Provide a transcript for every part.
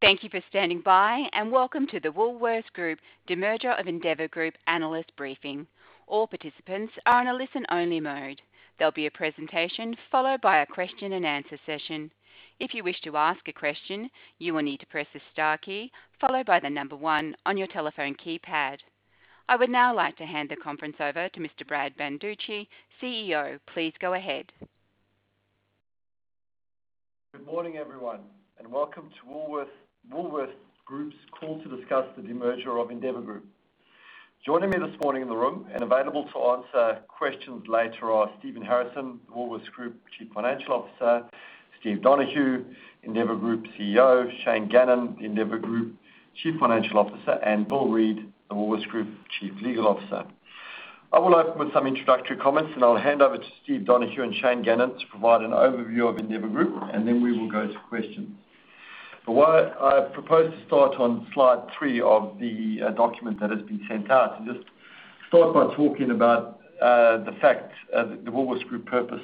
Thank you for standing by, welcome to the Woolworths Group demerger of Endeavour Group analyst briefing. All participants are in a listen-only mode. There will be a presentation followed by a question and answer session. If you wish to ask a question, you will need to press the star key followed by the number one on your telephone keypad. I would now like to hand the conference over to Mr. Brad Banducci, CEO. Please go ahead. Good morning, everyone, and welcome to Woolworths Group's call to discuss the demerger of Endeavour Group. Joining me this morning in the room and available to answer questions later are Stephen Harrison, Woolworths Group Chief Financial Officer, Steve Donohue, Endeavour Group CEO, Shane Gannon, Endeavour Group Chief Financial Officer, and Bill Reid, Woolworths Group Chief Legal Officer. I will open with some introductory comments, and I will hand over to Steve Donohue and Shane Gannon to provide an overview of Endeavour Group, and then we will go to questions. I propose to start on slide three of the document that has been sent out, and just start by talking about the fact of Woolworths Group purpose.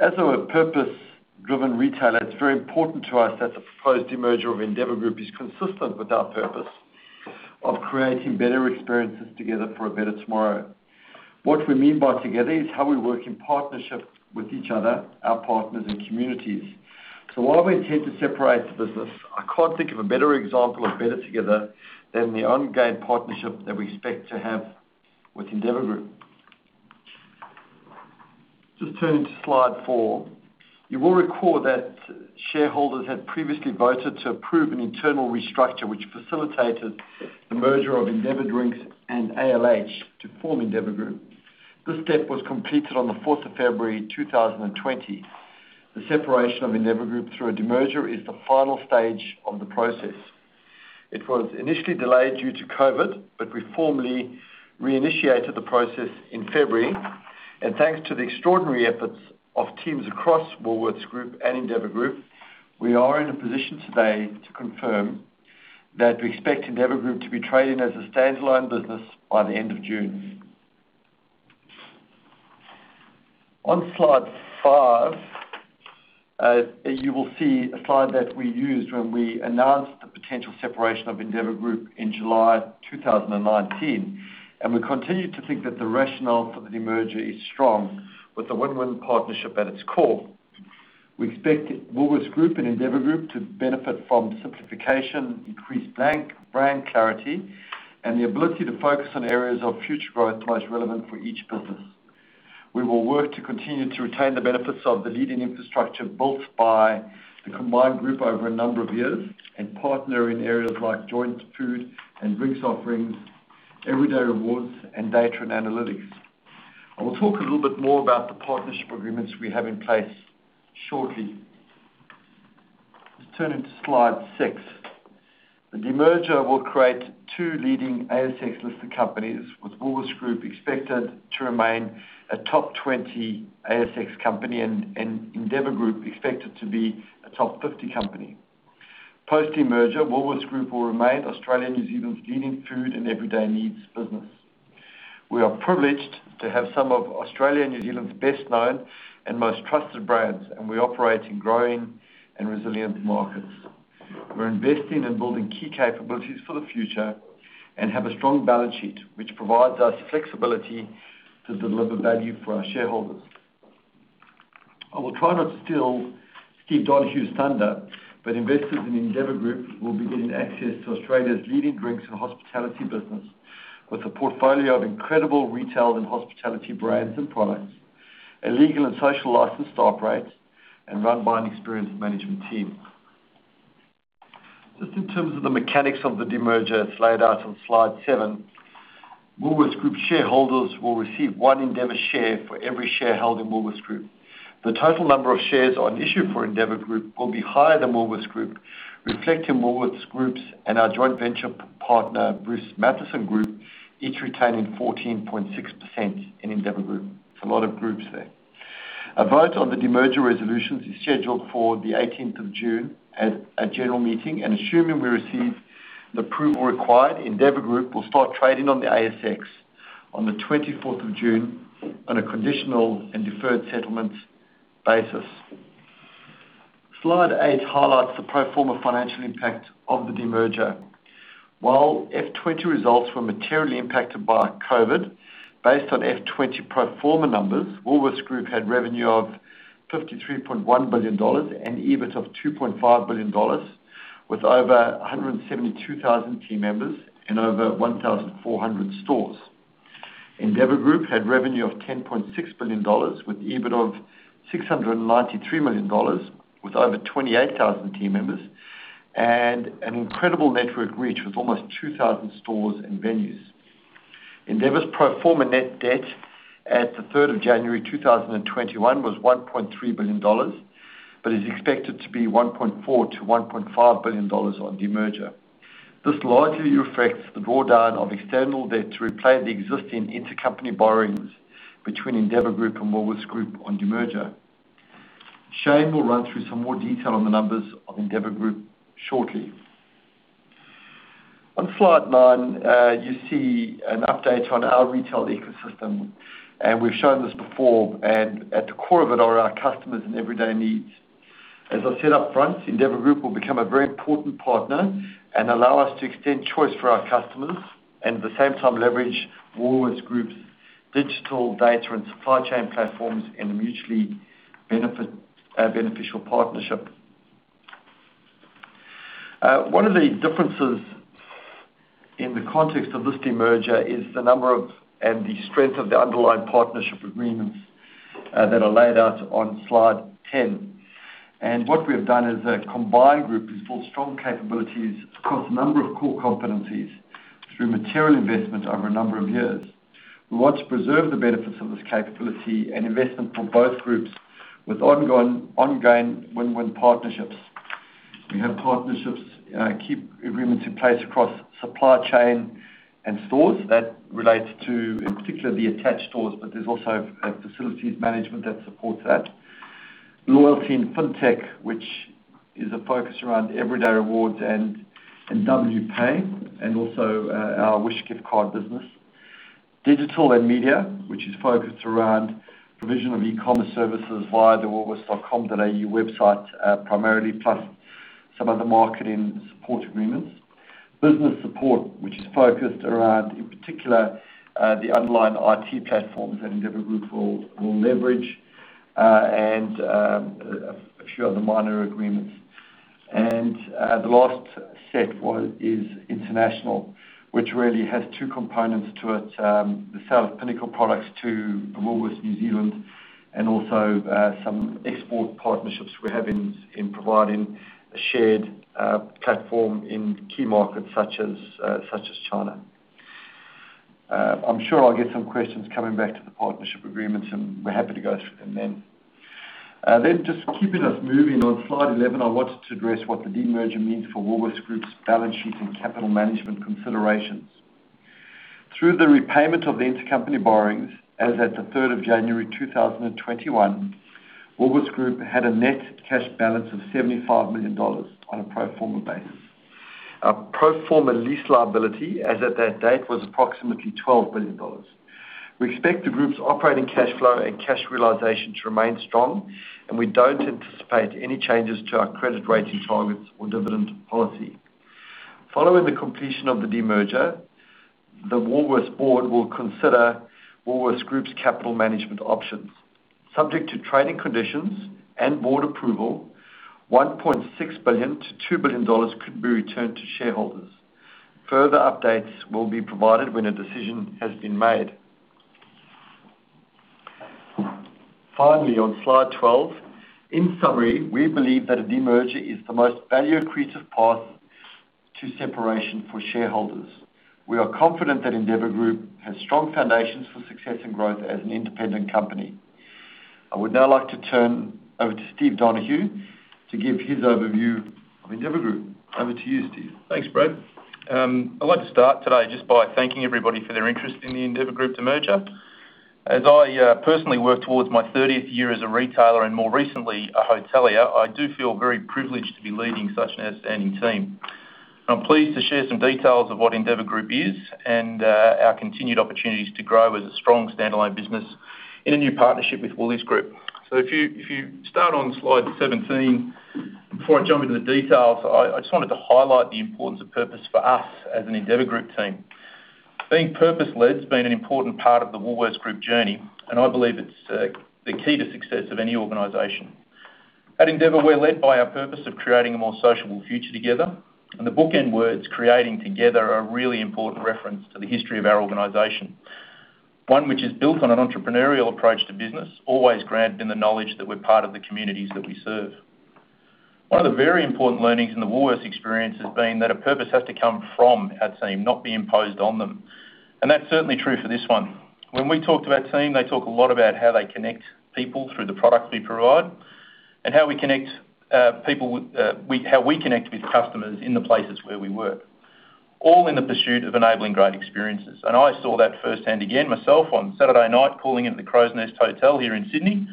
As a purpose-driven retailer, it's very important to us that the proposed demerger of Endeavour Group is consistent with our purpose of creating better experiences together for a better tomorrow. What we mean by together is how we work in partnership with each other, our partners, and communities. While we intend to separate the business, I can't think of a better example of better together than the ongoing partnership that we expect to have with Endeavour Group. Just turning to slide four. You will recall that shareholders had previously voted to approve an internal restructure which facilitated the merger of Endeavour Drinks and ALH to form Endeavour Group. This step was completed on the 4th of February 2020. The separation of Endeavour Group through a demerger is the final stage of the process. It was initially delayed due to COVID, but we formally reinitiated the process in February, and thanks to the extraordinary efforts of teams across Woolworths Group and Endeavour Group, we are in a position today to confirm that we expect Endeavour Group to be trading as a standalone business by the end of June. On slide five, you will see a slide that we used when we announced the potential separation of Endeavour Group in July 2019, and we continue to think that the rationale for the demerger is strong with a win-win partnership at its core. We expect Woolworths Group and Endeavour Group to benefit from simplification, increased brand clarity, and the ability to focus on areas of future growth most relevant for each business. We will work to continue to retain the benefits of the leading infrastructure built by the combined group over a number of years and partner in areas like joint food and drinks offerings, Everyday Rewards, and data and analytics. I will talk a little bit more about the partnership agreements we have in place shortly. Just turning to slide six. The demerger will create two leading ASX-listed companies, with Woolworths Group expected to remain a top 20 ASX company and Endeavour Group expected to be a top 50 company. Post demerger, Woolworths Group will remain Australia and New Zealand's leading food and everyday needs business. We are privileged to have some of Australia and New Zealand's best-known and most trusted brands, and we operate in growing and resilient markets. We're investing in building key capabilities for the future and have a strong balance sheet, which provides us flexibility to deliver value for our shareholders. I will try not to steal Steve Donohue's thunder, investors in Endeavour Group will be given access to Australia's leading drinks and hospitality business with a portfolio of incredible retail and hospitality brands and products, a legal and social license to operate, and run by an experienced management team. In terms of the mechanics of the demerger as laid out on slide seven, Woolworths Group shareholders will receive one Endeavour share for every share held in Woolworths Group. The total number of shares on issue for Endeavour Group will be higher than Woolworths Group, reflecting Woolworths Group's and our joint venture partner Bruce Mathieson Group, each retaining 14.6% in Endeavour Group. It's a lot of groups there. A vote on the demerger resolutions is scheduled for the 18th of June at a general meeting. Assuming we receive the approval required, Endeavour Group will start trading on the ASX on the 24th of June on a conditional and deferred settlement basis. Slide eight highlights the pro forma financial impact of the demerger. While F 2020 results were materially impacted by COVID, based on F 2020 pro forma numbers, Woolworths Group had revenue of 53.1 billion dollars and EBIT of 2.5 billion dollars with over 172,000 team members and over 1,400 stores. Endeavour Group had revenue of 10.6 billion dollars with EBIT of 693 million dollars, with over 28,000 team members and an incredible network reach with almost 2,000 stores and venues. Endeavour's pro forma net debt at the 3rd of January 2021 was 1.3 billion dollars, but is expected to be 1.4 billion-1.5 billion dollars on demerger. This largely reflects the drawdown of external debt to repay the existing intercompany borrowings between Endeavour Group and Woolworths Group on demerger. Shane will run through some more detail on the numbers of Endeavour Group shortly. On slide nine, you see an update on our retail ecosystem, and we've shown this before, and at the core of it are our customers and everyday needs. As I said up front, Endeavour Group will become a very important partner and allow us to extend choice for our customers, and at the same time leverage Woolworths Group's digital data and supply chain platforms in a mutually beneficial partnership. One of the differences in the context of this demerger is the number of, and the strength of the underlying partnership agreements that are laid out on slide 10. What we have done as a combined group is build strong capabilities across a number of core competencies through material investment over a number of years. We want to preserve the benefits of this capability and investment for both groups with ongoing win-win partnerships. We have partnerships, key agreements in place across supply chain and stores that relates to, in particular, the attached stores, but there's also a facilities management that supports that. Loyalty & Fintech, which is a focus around Everyday Rewards and Wpay, and also our WISH Gift Card business. Digital & Media, which is focused around provision of e-commerce services via the woolworths.com.au website primarily, plus some other marketing support agreements. Business support, which is focused around, in particular, the underlying IT platforms that Endeavour Group will leverage, and a few other minor agreements. The last set is international, which really has two components to it. The sale of Pinnacle Drinks to Woolworths New Zealand, and also some export partnerships we have in providing a shared platform in key markets such as China. I'm sure I'll get some questions coming back to the partnership agreements, and we're happy to go through them then. Just keeping us moving, on slide 11, I wanted to address what the demerger means for Woolworths Group's balance sheet and capital management considerations. Through the repayment of the intercompany borrowings, as at the 3rd of January 2021, Woolworths Group had a net cash balance of 75 million dollars on a pro forma basis. Our pro forma lease liability as at that date was approximately 12 billion dollars. We expect the group's operating cash flow and cash realization to remain strong, and we don't anticipate any changes to our credit rating targets or dividend policy. Following the completion of the demerger, the Woolworths board will consider Woolworths Group's capital management options. Subject to trading conditions and board approval, 1.6 billion-2 billion dollars could be returned to shareholders. Further updates will be provided when a decision has been made. Finally, on slide 12, in summary, we believe that a demerger is the most value-accretive path to separation for shareholders. We are confident that Endeavour Group has strong foundations for success and growth as an independent company. I would now like to turn over to Steve Donohue to give his overview of Endeavour Group. Over to you, Steve. Thanks, Brad. I'd like to start today just by thanking everybody for their interest in the Endeavour Group demerger. As I personally work towards my 30th year as a retailer and more recently, a hotelier, I do feel very privileged to be leading such an outstanding team. I'm pleased to share some details of what Endeavour Group is and our continued opportunities to grow as a strong standalone business in a new partnership with Woolies Group. If you start on slide 17, before I jump into the details, I just wanted to highlight the importance of purpose for us as an Endeavour Group team. Being purpose-led has been an important part of the Woolworths Group journey, and I believe it's the key to success of any organization. At Endeavour, we're led by our purpose of creating a more sociable future together. The bookend words "creating together" are a really important reference to the history of our organization. One which is built on an entrepreneurial approach to business, always granted in the knowledge that we're part of the communities that we serve. One of the very important learnings in the Woolworths experience has been that a purpose has to come from our team, not be imposed on them. That's certainly true for this one. When we talk to our team, they talk a lot about how they connect people through the products we provide and how we connect with customers in the places where we work, all in the pursuit of enabling great experiences. I saw that firsthand again myself on Saturday night, calling into the Crows Nest Hotel here in Sydney,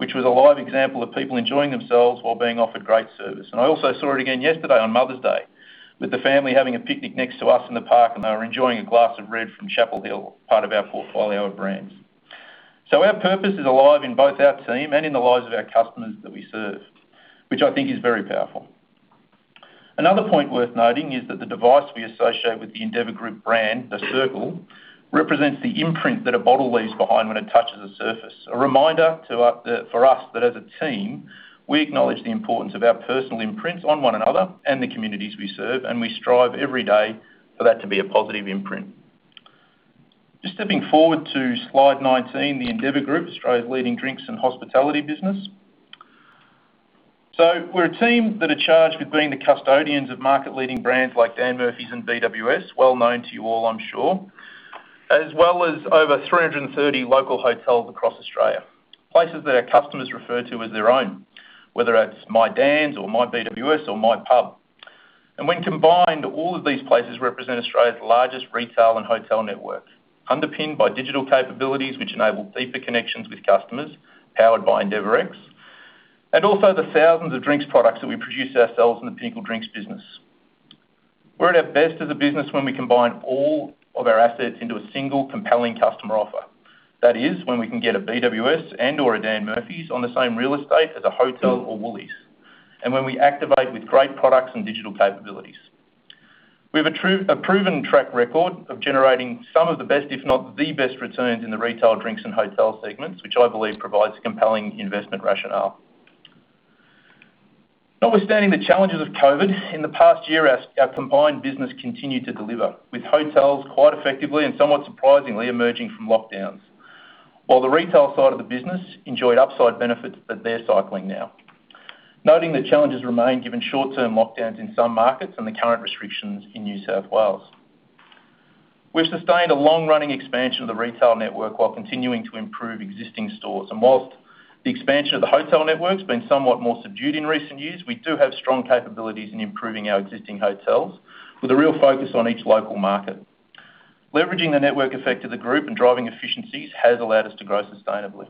which was a live example of people enjoying themselves while being offered great service. I also saw it again yesterday on Mother's Day with a family having a picnic next to us in the park, and they were enjoying a glass of red from Chapel Hill, part of our portfolio of brands. Our purpose is alive in both our team and in the lives of our customers that we serve, which I think is very powerful. Another point worth noting is that the device we associate with the Endeavour Group brand, the circle, represents the imprint that a bottle leaves behind when it touches a surface. A reminder for us that as a team, we acknowledge the importance of our personal imprints on one another and the communities we serve, and we strive every day for that to be a positive imprint. Just stepping forward to slide 19, the Endeavour Group, Australia's leading drinks and hospitality business. We're a team that are charged with being the custodians of market-leading brands like Dan Murphy's and BWS, well known to you all, I'm sure, as well as over 330 local hotels across Australia. Places that our customers refer to as their own, whether that's my Dan's or my BWS or my pub. When combined, all of these places represent Australia's largest retail and hotel network, underpinned by digital capabilities which enable deeper connections with customers, powered by Endeavour and also the thousands of drinks products that we produce ourselves in the Pinnacle Drinks business. We're at our best as a business when we combine all of our assets into a single compelling customer offer. That is, when we can get a BWS and/or a Dan Murphy's on the same real estate as a hotel or Woolies, and when we activate with great products and digital capabilities. We have a proven track record of generating some of the best, if not the best, returns in the retail, drinks, and hotel segments, which I believe provides a compelling investment rationale. Notwithstanding the challenges of COVID, in the past year, our combined business continued to deliver, with hotels quite effectively and somewhat surprisingly emerging from lockdowns. While the retail side of the business enjoyed upside benefits that they're cycling now. Noting that challenges remain given short-term lockdowns in some markets and the current restrictions in New South Wales. We've sustained a long-running expansion of the retail network while continuing to improve existing stores. Whilst the expansion of the hotel network's been somewhat more subdued in recent years, we do have strong capabilities in improving our existing hotels, with a real focus on each local market. Leveraging the network effect of the group and driving efficiencies has allowed us to grow sustainably.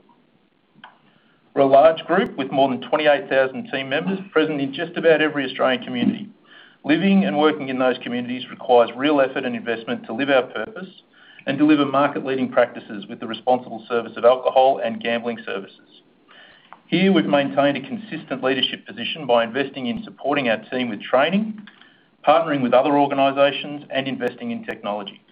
We're a large group with more than 28,000 team members present in just about every Australian community. Living and working in those communities requires real effort and investment to live our purpose and deliver market-leading practices with the responsible service of alcohol and gambling services. Here, we've maintained a consistent leadership position by investing in supporting our team with training, partnering with other organizations, and investing in technology.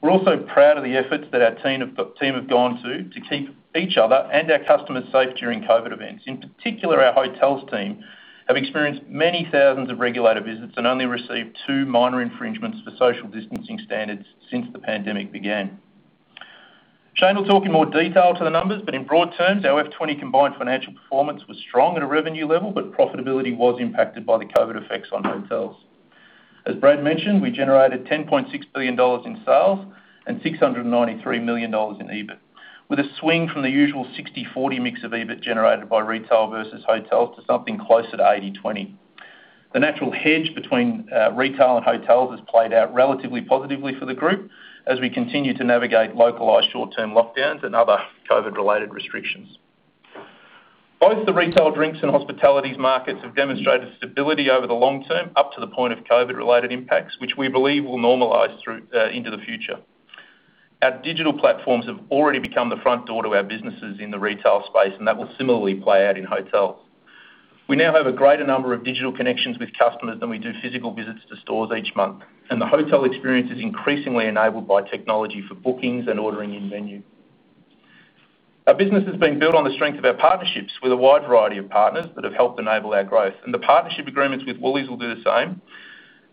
We're also proud of the efforts that our team have gone to keep each other and our customers safe during COVID events. In particular, our hotels team have experienced many thousands of regulator visits and only received two minor infringements for social distancing standards since the pandemic began. Shane will talk in more detail to the numbers, but in broad terms, our FY 2020 combined financial performance was strong at a revenue level, but profitability was impacted by the COVID effects on hotels. As Brad mentioned, we generated 10.6 billion dollars in sales and 693 million dollars in EBIT, with a swing from the usual 60/40 mix of EBIT generated by retail versus hotels to something closer to 80/20. The natural hedge between retail and hotels has played out relatively positively for the group, as we continue to navigate localized short-term lockdowns and other COVID-related restrictions. Both the retail drinks and hospitalities markets have demonstrated stability over the long term, up to the point of COVID-related impacts, which we believe will normalize into the future. Our digital platforms have already become the front door to our businesses in the retail space, and that will similarly play out in hotels. We now have a greater number of digital connections with customers than we do physical visits to stores each month, and the hotel experience is increasingly enabled by technology for bookings and ordering in-venue. Our business has been built on the strength of our partnerships with a wide variety of partners that have helped enable our growth, and the partnership agreements with Woolies will do the same.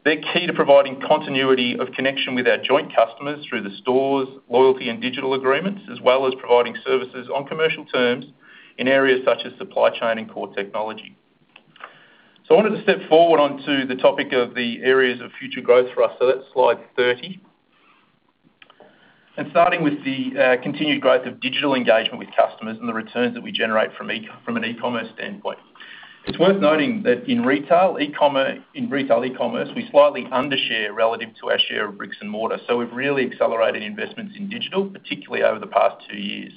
They're key to providing continuity of connection with our joint customers through the stores, loyalty and digital agreements, as well as providing services on commercial terms in areas such as supply chain and core technology. I wanted to step forward onto the topic of the areas of future growth for us. That's slide 30. Starting with the continued growth of digital engagement with customers and the returns that we generate from an e-commerce standpoint. It's worth noting that in retail e-commerce, we slightly under-share relative to our share of bricks and mortar, so we've really accelerated investments in digital, particularly over the past two years.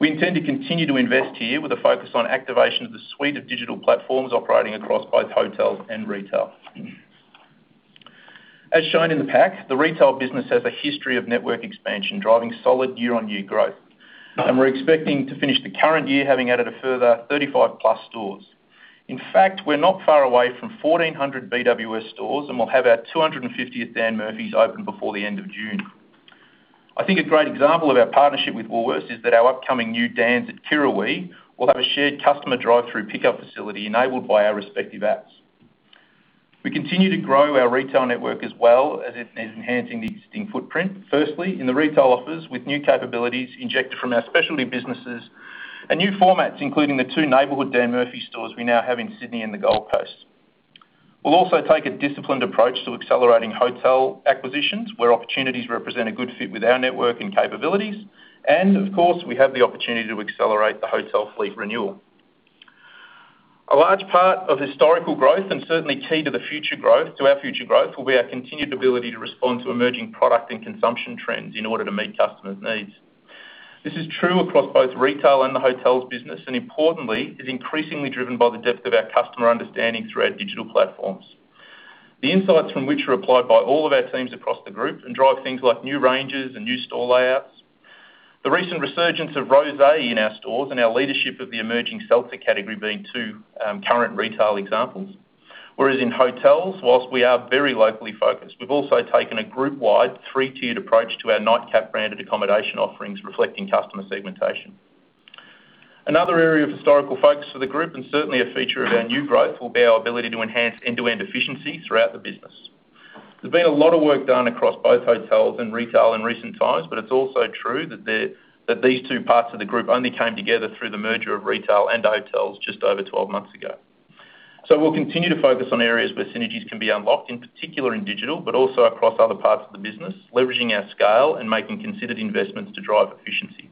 We intend to continue to invest here with a focus on activation of the suite of digital platforms operating across both hotels and retail. As shown in the pack, the retail business has a history of network expansion, driving solid year-on-year growth. We're expecting to finish the current year having added a further 35+ stores. In fact, we're not far away from 1,400 BWS stores, and we'll have our 250th Dan Murphy's open before the end of June. I think a great example of our partnership with Woolworths is that our upcoming new Dans at Kirrawee will have a shared customer drive-through pickup facility enabled by our respective apps. We continue to grow our retail network as well as enhancing the existing footprint. Firstly, in the retail offers with new capabilities injected from our specialty businesses and new formats, including the two neighborhood Dan Murphy's stores we now have in Sydney and the Gold Coast. We'll also take a disciplined approach to accelerating hotel acquisitions where opportunities represent a good fit with our network and capabilities. Of course, we have the opportunity to accelerate the hotel fleet renewal. A large part of historical growth and certainly key to our future growth will be our continued ability to respond to emerging product and consumption trends in order to meet customers' needs. This is true across both retail and the hotels business, and importantly, is increasingly driven by the depth of our customer understanding through our digital platforms. The insights from which are applied by all of our teams across the group and drive things like new ranges and new store layouts. The recent resurgence of rosé in our stores and our leadership of the emerging seltzer category being two current retail examples. Whereas in hotels, whilst we are very locally focused, we've also taken a group-wide, three-tiered approach to our Nightcap branded accommodation offerings reflecting customer segmentation. Another area of historical focus for the group, and certainly a feature of our new growth, will be our ability to enhance end-to-end efficiency throughout the business. There's been a lot of work done across both hotels and retail in recent times, but it's also true that these two parts of the group only came together through the merger of retail and hotels just over 12 months ago. We'll continue to focus on areas where synergies can be unlocked, in particular in digital, but also across other parts of the business, leveraging our scale and making considered investments to drive efficiency.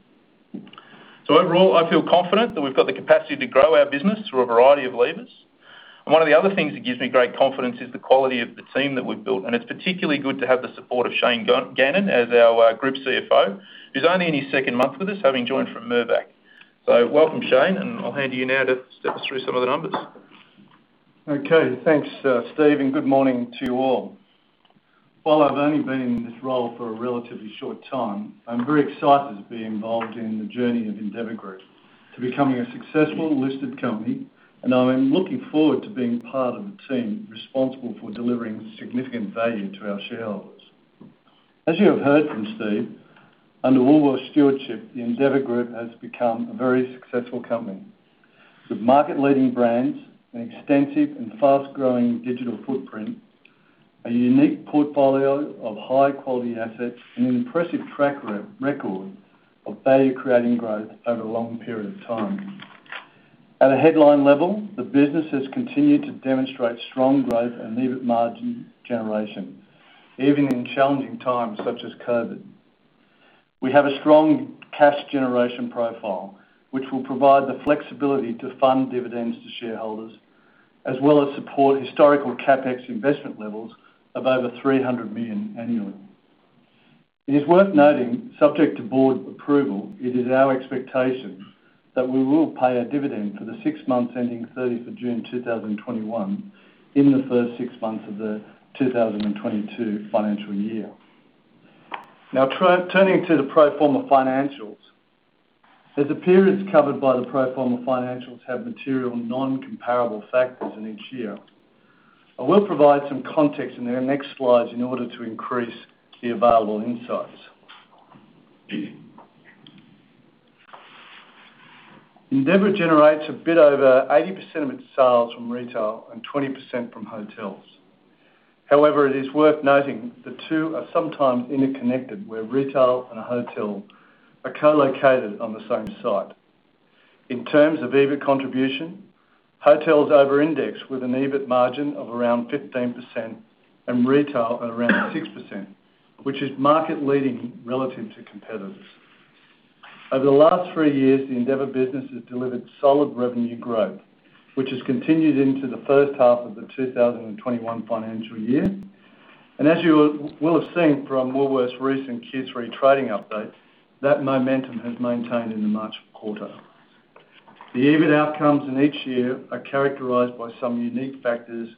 Overall, I feel confident that we've got the capacity to grow our business through a variety of levers. One of the other things that gives me great confidence is the quality of the team that we've built, and it's particularly good to have the support of Shane Gannon as our Group CFO, who's only in his second month with us, having joined from Mirvac. Welcome, Shane, and I'll hand to you now to step us through some of the numbers. Okay. Thanks, Steve, good morning to you all. While I've only been in this role for a relatively short time, I'm very excited to be involved in the journey of Endeavour Group to becoming a successful listed company, and I'm looking forward to being part of the team responsible for delivering significant value to our shareholders. As you have heard from Steve, under Woolworths' stewardship, the Endeavour Group has become a very successful company with market-leading brands, an extensive and fast-growing digital footprint, a unique portfolio of high-quality assets, and an impressive track record of value-creating growth over a long period of time. At a headline level, the business has continued to demonstrate strong growth and EBIT margin generation, even in challenging times such as COVID. We have a strong cash generation profile, which will provide the flexibility to fund dividends to shareholders, as well as support historical CapEx investment levels of over 300 million annually. It is worth noting, subject to board approval, it is our expectation that we will pay a dividend for the six months ending 30th of June 2021 in the first six months of the 2022 financial year. Turning to the pro forma financials. As the periods covered by the pro forma financials have material non-comparable factors in each year, I will provide some context in the next slides in order to increase the available insights. Endeavour generates a bit over 80% of its sales from retail and 20% from hotels. It is worth noting the two are sometimes interconnected, where retail and a hotel are co-located on the same site. In terms of EBIT contribution, hotels over-index, with an EBIT margin of around 15%, and retail at around 6%, which is market leading relative to competitors. Over the last three years, the Endeavour business has delivered solid revenue growth, which has continued into the first half of the 2021 financial year. As you will have seen from Woolworths' recent Q3 trading update, that momentum has maintained in the March quarter. The EBIT outcomes in each year are characterized by some unique factors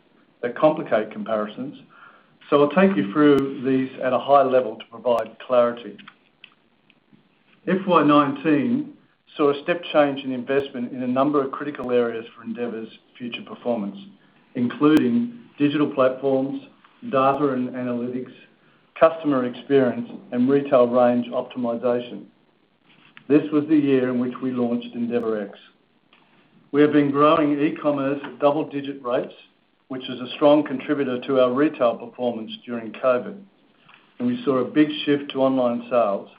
that complicate comparisons, so I'll take you through these at a high level to provide clarity. FY 2019 saw a step change in investment in a number of critical areas for Endeavour's future performance, including digital platforms, data and analytics, customer experience, and retail range optimization. This was the year in which we launched EndeavourX. We have been growing e-commerce at double-digit rates, which is a strong contributor to our retail performance during COVID. We saw a big shift to online sales.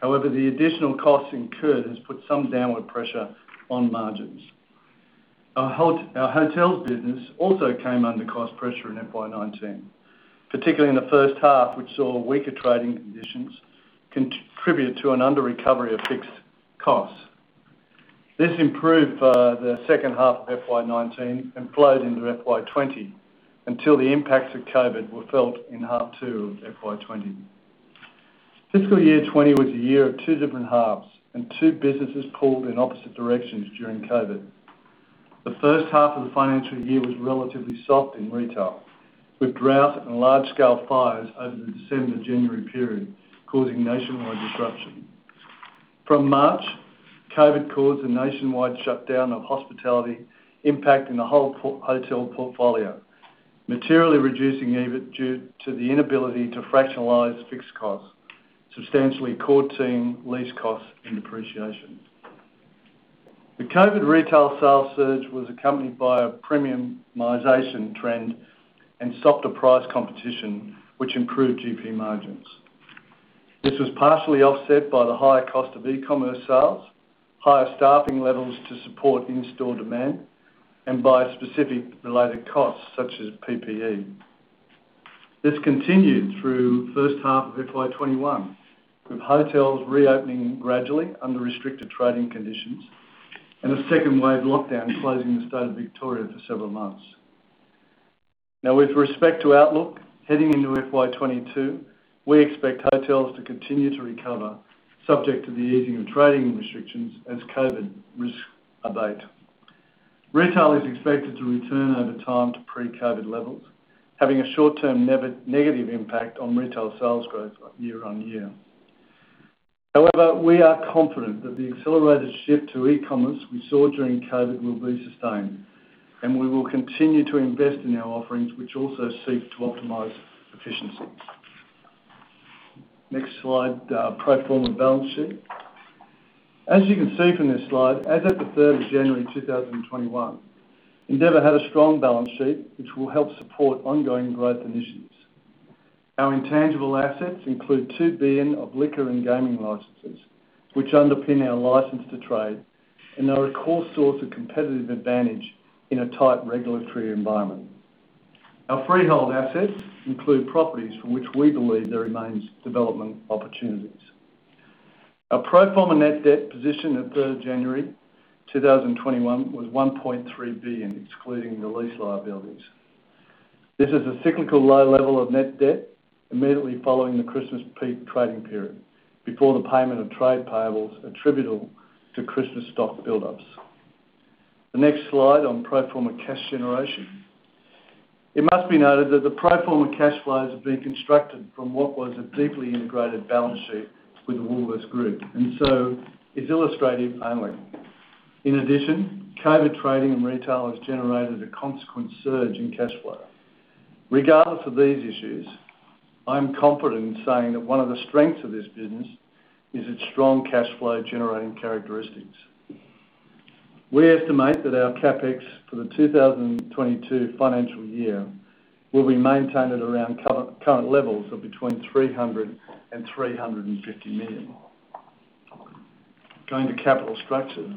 However, the additional cost incurred has put some downward pressure on margins. Our hotels business also came under cost pressure in FY 2019, particularly in the first half, which saw weaker trading conditions contributed to an under-recovery of fixed costs. This improved for the second half of FY 2019, flowed into FY 2020, until the impacts of COVID were felt in half two of FY 2020. Fiscal year 2020 was a year of two different halves. Two businesses pulled in opposite directions during COVID. The first half of the financial year was relatively soft in retail, with drought and large-scale fires over the December-January period causing nationwide disruption. From March, COVID caused a nationwide shutdown of hospitality, impacting the whole hotel portfolio, materially reducing EBIT due to the inability to fractionalize fixed costs, substantially core team, lease costs, and depreciation. The COVID retail sales surge was accompanied by a premiumization trend and stopped the price competition, which improved GP margins. This was partially offset by the higher cost of e-commerce sales, higher staffing levels to support in-store demand, and by specific related costs such as PPE. This continued through the first half of FY 2021, with hotels reopening gradually under restricted trading conditions and a second wave lockdown closing the state of Victoria for several months. Now, with respect to outlook, heading into FY 2022, we expect hotels to continue to recover subject to the easing of trading restrictions as COVID risks abate. Retail is expected to return over time to pre-COVID levels, having a short-term negative impact on retail sales growth year-on-year. However, we are confident that the accelerated shift to e-commerce we saw during COVID will be sustained, and we will continue to invest in our offerings, which also seek to optimize efficiencies. Next slide, pro forma balance sheet. As you can see from this slide, as at the 3rd of January 2021, Endeavour had a strong balance sheet, which will help support ongoing growth initiatives. Our intangible assets include 2 billion of liquor and gaming licenses, which underpin our license to trade, and they are a core source of competitive advantage in a tight regulatory environment. Our freehold assets include properties for which we believe there remains development opportunities. Our pro forma net debt position at 3rd January 2021 was AUD 1.3 billion, excluding the lease liabilities. This is a cyclical low level of net debt immediately following the Christmas peak trading period before the payment of trade payables attributable to Christmas stock buildups. The next slide on pro forma cash generation. It must be noted that the pro forma cash flows have been constructed from what was a deeply integrated balance sheet with Woolworths Group, is illustrative only. In addition, COVID trading and retail has generated a consequent surge in cash flow. Regardless of these issues, I'm confident in saying that one of the strengths of this business is its strong cash flow generating characteristics. We estimate that our CapEx for the 2022 financial year will be maintained at around current levels of between 300 million and 350 million. Going to capital structure.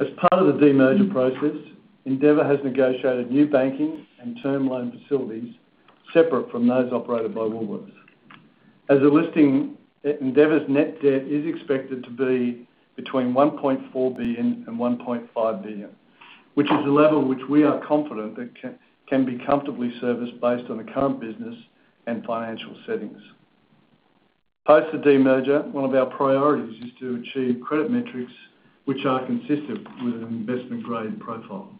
As part of the demerger process, Endeavour has negotiated new banking and term loan facilities separate from those operated by Woolworths. As a listing, Endeavour's net debt is expected to be between 1.4 billion and 1.5 billion, which is a level which we are confident that can be comfortably serviced based on the current business and financial settings. Post the demerger, one of our priorities is to achieve credit metrics which are consistent with an investment-grade profile.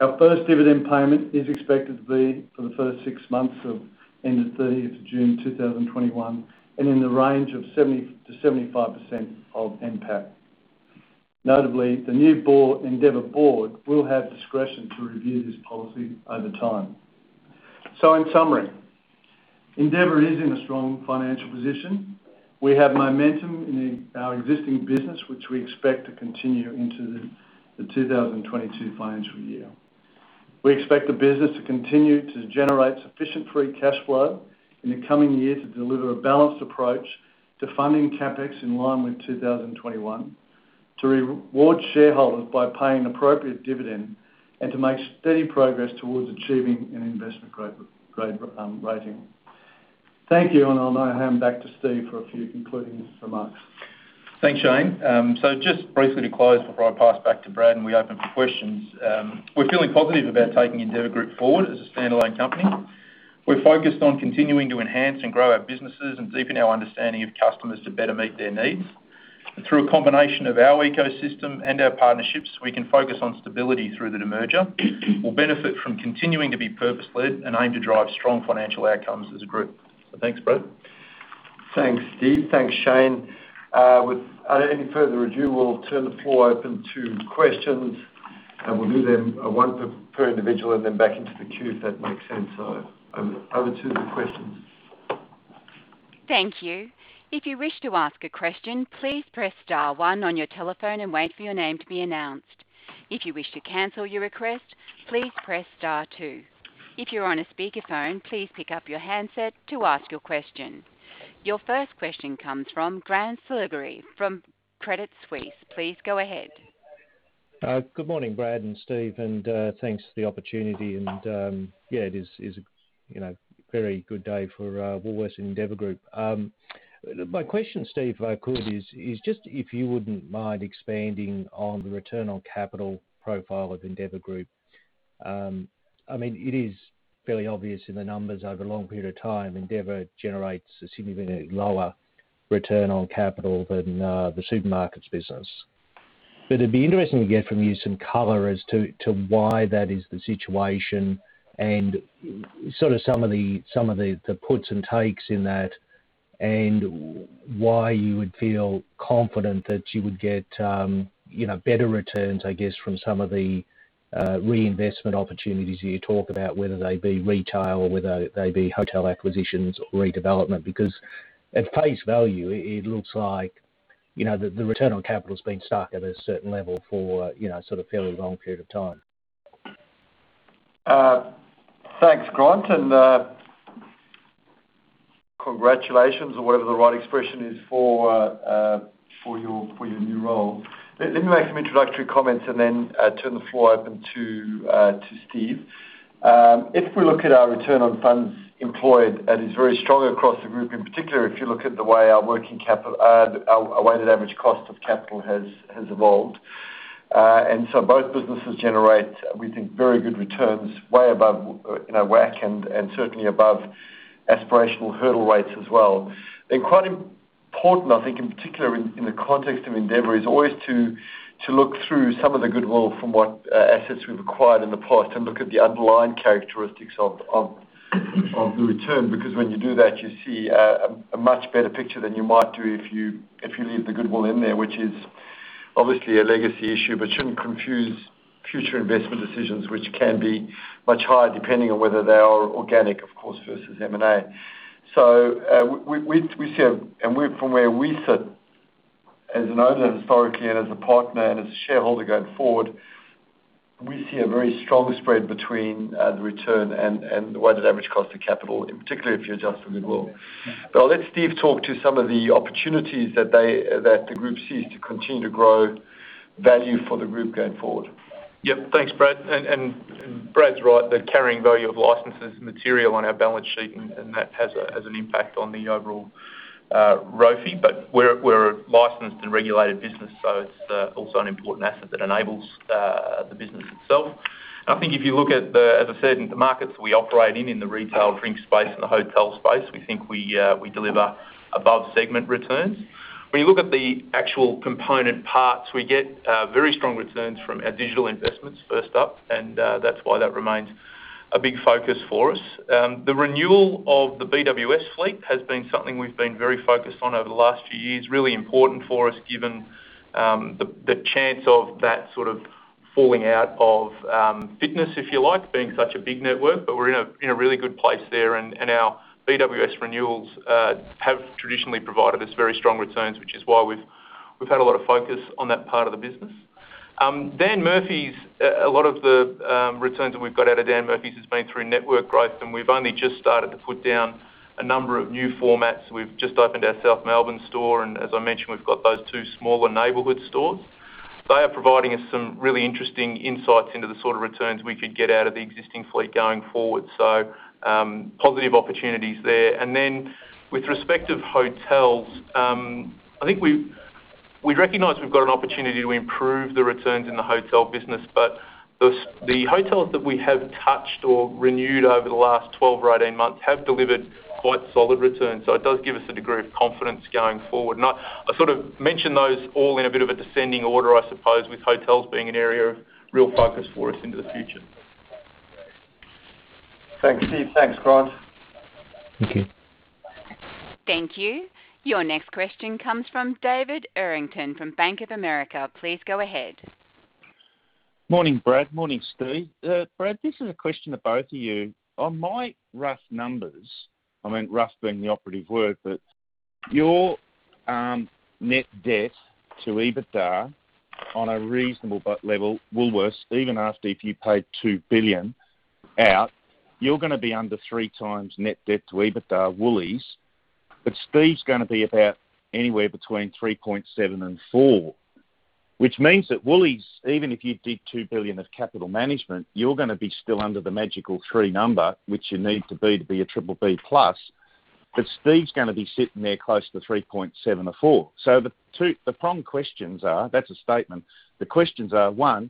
Our first dividend payment is expected to be for the first six months of ending 30th June 2021, and in the range of 70%-75% of NPAT. Notably, the new Endeavour board will have discretion to review this policy over time. In summary, Endeavour is in a strong financial position. We have momentum in our existing business, which we expect to continue into the 2022 financial year. We expect the business to continue to generate sufficient free cash flow in the coming year to deliver a balanced approach to funding CapEx in line with 2021, to reward shareholders by paying appropriate dividend, and to make steady progress towards achieving an investment-grade rating. Thank you. I'll now hand back to Steve for a few concluding remarks. Thanks, Shane. Just briefly to close before I pass back to Brad and we open for questions. We're feeling positive about taking Endeavour Group forward as a standalone company. We're focused on continuing to enhance and grow our businesses and deepen our understanding of customers to better meet their needs. Through a combination of our ecosystem and our partnerships, we can focus on stability through the demerger. We'll benefit from continuing to be purpose-led and aim to drive strong financial outcomes as a group. Thanks, Brad. Thanks, Steve. Thanks, Shane. Without any further ado, we'll turn the floor open to questions, and we'll do them one per individual and then back into the queue, if that makes sense. Over to the questions. Thank you. If you wish to ask a question, please press star one on your telephone and wait for your name to be announced. If you wish to cancel your request, please press star two. If you're on a speakerphone, please pick up your handset to ask your question. Your first question comes from Grant Saligari from Credit Suisse. Please go ahead. Good morning, Brad and Steve, and thanks for the opportunity. Yeah, it is a very good day for Woolworths and Endeavour Group. My question, Steve, if I could, is just if you wouldn't mind expanding on the return on capital profile of Endeavour Group. It is fairly obvious in the numbers over a long period of time, Endeavour generates a significantly lower return on capital than the Supermarkets business. It'd be interesting to get from you some color as to why that is the situation and some of the puts and takes in that, and why you would feel confident that you would get better returns, I guess, from some of the reinvestment opportunities you talk about, whether they be retail, whether they be hotel acquisitions or redevelopment. At face value, it looks like the return on capital's been stuck at a certain level for a fairly long period of time. Thanks, Grant. Congratulations or whatever the right expression is for your new role. Let me make some introductory comments and then turn the floor open to Steve. If we look at our return on funds employed, that is very strong across the group, in particular if you look at the way our weighted average cost of capital has evolved. Both businesses generate, we think, very good returns, way above WACC, and certainly above aspirational hurdle rates as well. Quite important, I think, in particular in the context of Endeavour, is always to look through some of the goodwill from what assets we've acquired in the past and look at the underlying characteristics of the return. When you do that, you see a much better picture than you might do if you leave the goodwill in there, which is obviously a legacy issue but shouldn't confuse future investment decisions, which can be much higher depending on whether they are organic, of course, versus M&A. From where we sit as an owner historically and as a partner and as a shareholder going forward, we see a very strong spread between the return and the weighted average cost of capital, particularly if you adjust for goodwill. I'll let Steve talk to some of the opportunities that the group sees to continue to grow value for the group going forward. Yep. Thanks, Brad. Brad's right, the carrying value of licenses material on our balance sheet, that has an impact on the overall ROFE, we're a licensed and regulated business, it's also an important asset that enables the business itself. I think if you look at the, as I said, the markets we operate in the retail drink space and the hotel space, we think we deliver above-segment returns. When you look at the actual component parts, we get very strong returns from our digital investments, first up, that's why that remains a big focus for us. The renewal of the BWS fleet has been something we've been very focused on over the last few years. Really important for us, given the chance of that sort of falling out of fitness, if you like, being such a big network. We're in a really good place there, and our BWS renewals have traditionally provided us very strong returns, which is why we've had a lot of focus on that part of the business. Dan Murphy's, a lot of the returns that we've got out of Dan Murphy's has been through network growth, and we've only just started to put down a number of new formats. We've just opened our South Melbourne store, and as I mentioned, we've got those two smaller neighborhood stores. They are providing us some really interesting insights into the sort of returns we could get out of the existing fleet going forward. Positive opportunities there. With respect of hotels, I think we recognize we've got an opportunity to improve the returns in the hotel business. The hotels that we have touched or renewed over the last 12 or 18 months have delivered quite solid returns. It does give us a degree of confidence going forward. I sort of mention those all in a bit of a descending order, I suppose, with hotels being an area of real focus for us into the future. Thanks, Steve. Thanks, Grant. Thank you. Thank you. Your next question comes from David Errington from Bank of America. Please go ahead. Morning, Brad. Morning, Steve. Brad, this is a question to both of you. On my rough numbers, I mean, rough being the operative word, but your net debt to EBITDA on a reasonable level, Woolworths, even after if you paid 2 billion out, you're going to be under 3x net debt to EBITDA Woolies. Steve's going to be about anywhere between 3.7 and 4, which means that Woolies, even if you did 2 billion of capital management, you're going to be still under the magical 3 number, which you need to be to be a BBB+. Steve's going to be sitting there close to 3.7 or 4. The prompt questions are. That's a statement. The questions are, one,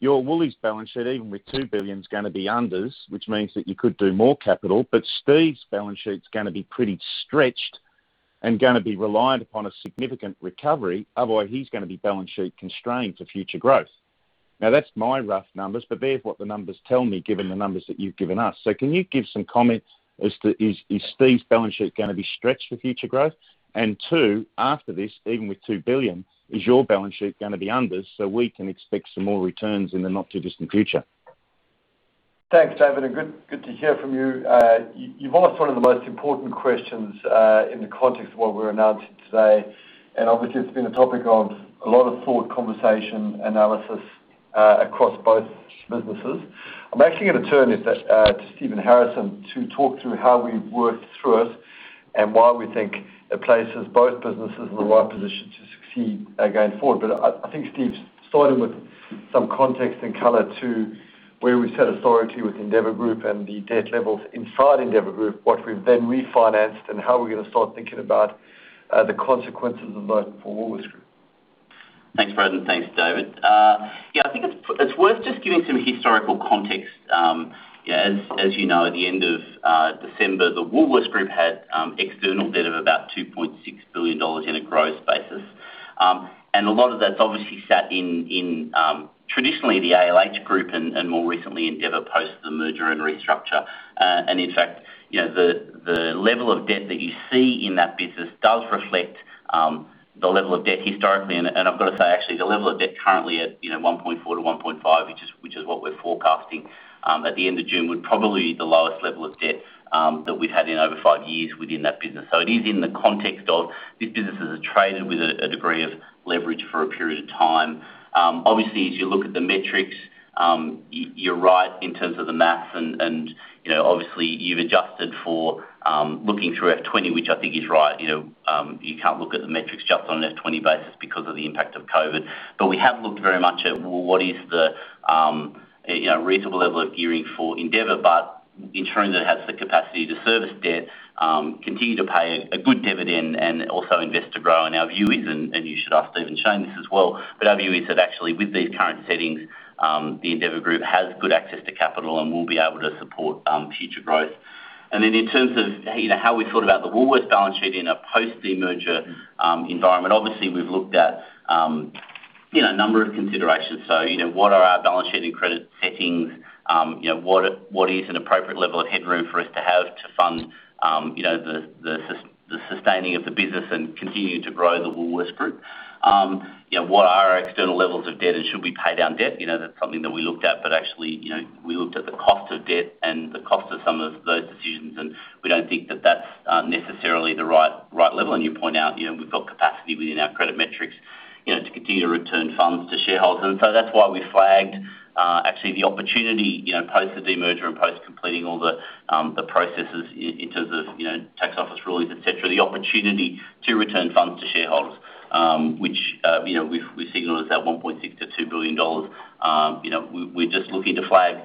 your Woolies balance sheet, even with 2 billion, is going to be unders, which means that you could do more capital, but Steve's balance sheet's going to be pretty stretched and going to be reliant upon a significant recovery. Otherwise, he's going to be balance sheet constrained for future growth. That's my rough numbers, but they're what the numbers tell me given the numbers that you've given us. Can you give some comments, is Steve's balance sheet going to be stretched for future growth? Two, after this, even with 2 billion, is your balance sheet going to be unders so we can expect some more returns in the not-too-distant future? Thanks, David, and good to hear from you. You've asked one of the most important questions in the context of what we're announcing today, and obviously, it's been a topic of a lot of thought, conversation, analysis, across both businesses. I'm actually going to turn it to Stephen Harrison to talk through how we've worked through it and why we think it places both businesses in the right position to succeed going forward. I think Steve's starting with some context and color to where we sat historically with Endeavour Group and the debt levels inside Endeavour Group, what we've then refinanced, and how we're going to start thinking about the consequences of those for Woolworths Group. Thanks, Brad, and thanks, David. I think it's worth just giving some historical context. As you know, at the end of December, the Woolworths Group had external debt of about 2.6 billion dollars in a gross basis. A lot of that's obviously sat in traditionally the ALH Group and more recently, Endeavour, post the merger and restructure. In fact, the level of debt that you see in that business does reflect the level of debt historically. I've got to say, actually, the level of debt currently at 1.4 billion-1.5 billion, which is what we're forecasting at the end of June, would probably be the lowest level of debt that we've had in over five years within that business. So it is in the context of these businesses are traded with a degree of leverage for a period of time. Obviously, as you look at the metrics, you are right in terms of the maths, and obviously you have adjusted for looking through FY 2020, which I think is right. You can't look at the metrics just on an FY 2020 basis because of the impact of COVID. We have looked very much at, well, what is the reasonable level of gearing for Endeavour, but ensuring that it has the capacity to service debt, continue to pay a good dividend, and also invest to grow. Our view is, and you should ask Steve and Shane this as well, but our view is that actually, with these current settings, the Endeavour Group has good access to capital and will be able to support future growth. Then in terms of how we thought about the Woolworths balance sheet in a post-demerger environment, obviously we have looked at a number of considerations. What are our balance sheet and credit settings? What is an appropriate level of headroom for us to have to fund the sustaining of the business and continue to grow the Woolworths Group? What are our external levels of debt, and should we pay down debt? That's something that we looked at, but actually, we looked at the cost of debt and the cost of some of those decisions, and we don't think that that's necessarily the right level. You point out, we've got capacity within our credit metrics to continue to return funds to shareholders. That's why we flagged actually the opportunity post the demerger and post completing all the processes in terms of tax office rulings, et cetera. To return funds to shareholders, which we've signaled is at 1.6 billion-2 billion dollars. We're just looking to flag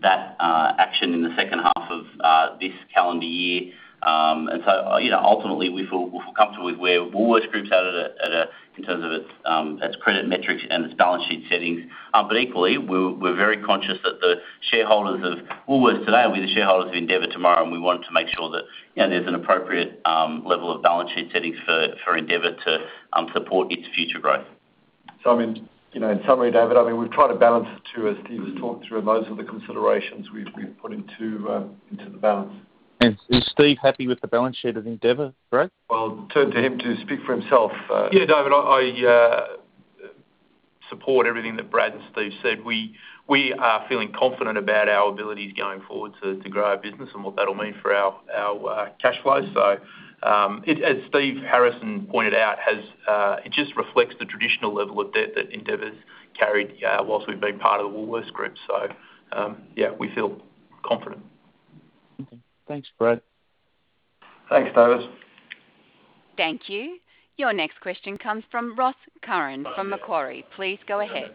that action in the second half of this calendar year. Ultimately, we feel comfortable with where Woolworths Group's at in terms of its credit metrics and its balance sheet settings. Equally, we're very conscious that the shareholders of Woolworths today will be the shareholders of Endeavour tomorrow, and we want to make sure that there's an appropriate level of balance sheet setting for Endeavour to support its future growth. In summary, David, we've tried to balance the two, as Steve has talked through, and those are the considerations we've put into the balance. Is Steve happy with the balance sheet of Endeavour, Brad? Well, I'll turn to him to speak for himself. Yeah, David, I support everything that Brad and Steve said. We are feeling confident about our abilities going forward to grow our business and what that'll mean for our cash flow. As Steve Harrison pointed out, it just reflects the traditional level of debt that Endeavour's carried whilst we've been part of the Woolworths Group. Yeah, we feel confident. Okay. Thanks, Brad. Thanks, David. Thank you. Your next question comes from Ross Curran from Macquarie. Please go ahead.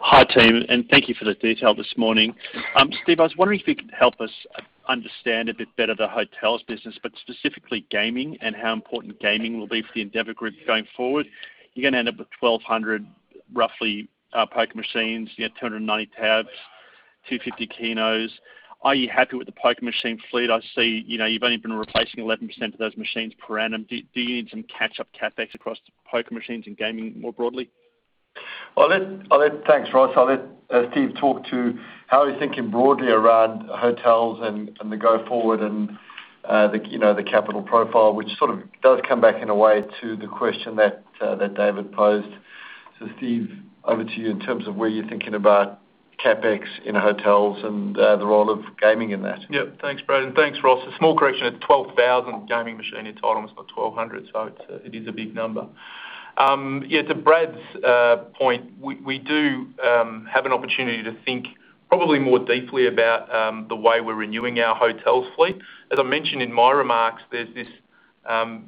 Hi, team, thank you for the detail this morning. Steve, I was wondering if you could help us understand a bit better the hotels business, but specifically gaming and how important gaming will be for the Endeavour Group going forward. You're going to end up with 1,200, roughly, poker machines, you have 290 tabs, 250 Keno. Are you happy with the poker machine fleet? I see you've only been replacing 11% of those machines per annum. Do you need some catch-up CapEx across poker machines and gaming more broadly? Thanks, Ross. I'll let Steve talk to how we're thinking broadly around hotels and the go forward and the capital profile, which sort of does come back in a way to the question that David Errington posed. Steve, over to you in terms of where you're thinking about CapEx in hotels and the role of gaming in that. Yeah. Thanks, Brad, and thanks, Ross. A small correction, it's 12,000 gaming machine titles, not 1,200. It is a big number. To Brad's point, we do have an opportunity to think probably more deeply about the way we're renewing our hotel fleet. As I mentioned in my remarks, there's this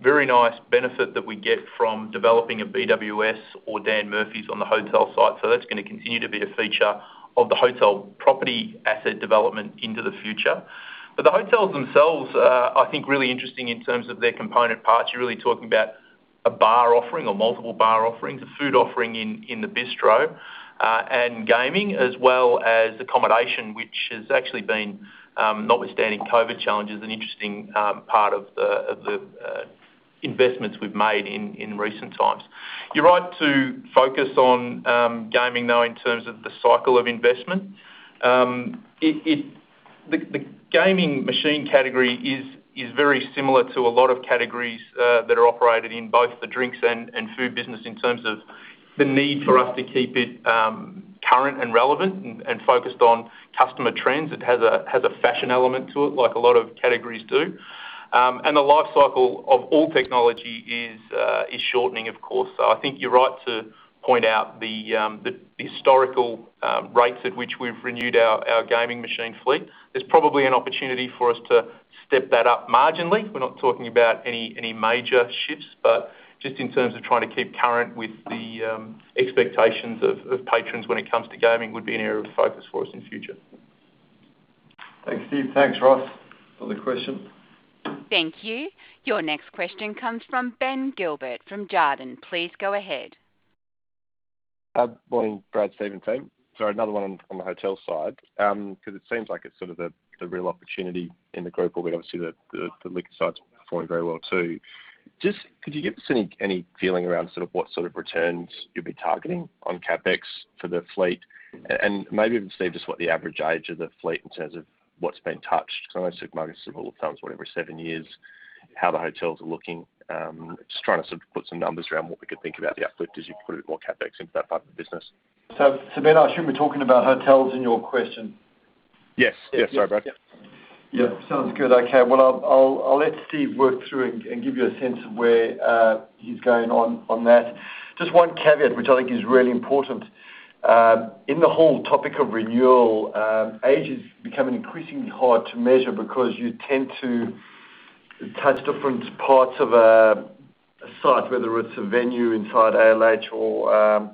very nice benefit that we get from developing a BWS or Dan Murphy's on the hotel site. That's going to continue to be a feature of the hotel property asset development into the future. The hotels themselves are, I think, really interesting in terms of their component parts. You're really talking about a bar offering or multiple bar offerings, a food offering in the bistro, and gaming, as well as accommodation, which has actually been, notwithstanding COVID challenges, an interesting part of the investments we've made in recent times. You're right to focus on gaming, though, in terms of the cycle of investment. The gaming machine category is very similar to a lot of categories that are operated in both the drinks and food business in terms of the need for us to keep it current and relevant and focused on customer trends. It has a fashion element to it, like a lot of categories do. The life cycle of all technology is shortening, of course. I think you're right to point out the historical rates at which we've renewed our gaming machine fleet. There's probably an opportunity for us to step that up marginally. We're not talking about any major shifts, but just in terms of trying to keep current with the expectations of patrons when it comes to gaming would be an area of focus for us in future. Thanks, Steve. Thanks, Brad, for the question. Thank you. Your next question comes from Ben Gilbert from Jarden. Please go ahead. Good morning, Brad, Steve, and team. Another one from the hotel side, because it seems like it's sort of a real opportunity in the group, but we obviously know the liquor side's been performing very well, too. Just could you give us any feeling around what sort of returns you'd be targeting on CapEx for the fleet? Maybe even, Steve, just what the average age of the fleet in terms of what's been touched. Some of the supermarket [civil funds], whatever, seven years, how the hotels are looking. Just trying to sort of put some numbers around what we could think about the uplift as you put more CapEx into that part of the business. Ben, I assume you're talking about hotels in your question. Yes, sorry about that. Yeah, sounds good. Okay, well, I'll let Steve work through and give you a sense of where he's going on that. Just one caveat, which I think is really important. In the whole topic of renewal, age is becoming increasingly hard to measure because you tend to touch different parts of a site, whether it's a venue inside ALH or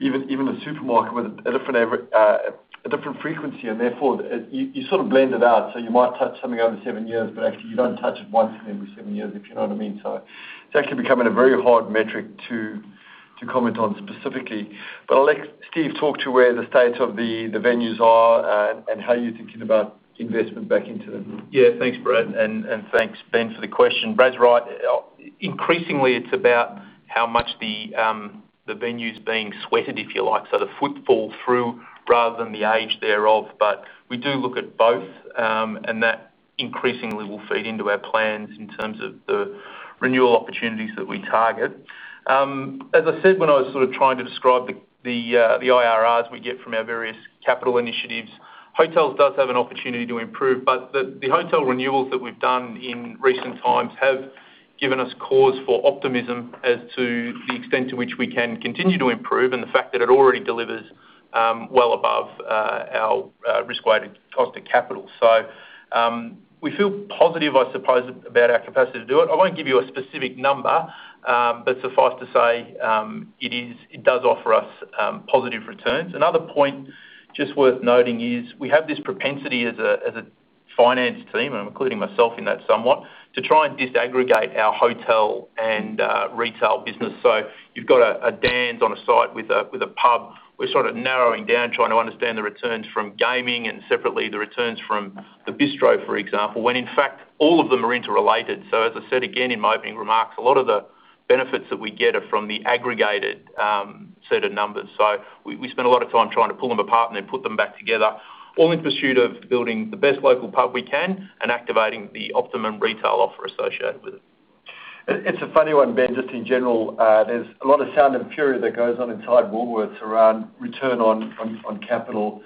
even a supermarket, with a different frequency, and therefore, you sort of blend it out. So you might touch something every seven years, but actually you don't touch it once every seven years, if you know what I mean. So it's actually becoming a very hard metric to comment on specifically. But I'll let Steve talk to you where the state of the venues are and how you're thinking about investment back into them. Yeah, thanks, Brad, and thanks, Ben, for the question. Brad's right. Increasingly, it's about how much the venue's being sweated, if you like, so the footfall through, rather than the age thereof. We do look at both, and that increasingly will feed into our plans in terms of the renewal opportunities that we target. As I said, when I was sort of trying to describe the IRRs we get from our various capital initiatives, hotels does have an opportunity to improve. The hotel renewals that we've done in recent times have given us cause for optimism as to the extent to which we can continue to improve and the fact that it already delivers. Well above our risk-weighted cost of capital. We feel positive, I suppose, about our capacity to do it. I won't give you a specific number, but suffice to say, it does offer us positive returns. Another point just worth noting is we have this propensity as a finance team, I'm including myself in that somewhat, to try and disaggregate our hotel and retail business. You've got a Dan's on a site with a pub. We're sort of narrowing down, trying to understand the returns from gaming and separately the returns from the bistro, for example, when in fact, all of them are interrelated. As I said again in my opening remarks, a lot of the benefits that we get are from the aggregated set of numbers. We spend a lot of time trying to pull them apart and then put them back together, all in pursuit of building the best local pub we can and activating the optimum retail offer associated with it. It's a funny one, Ben, just in general, there's a lot of sound and fury that goes on inside Woolworths around return on capital.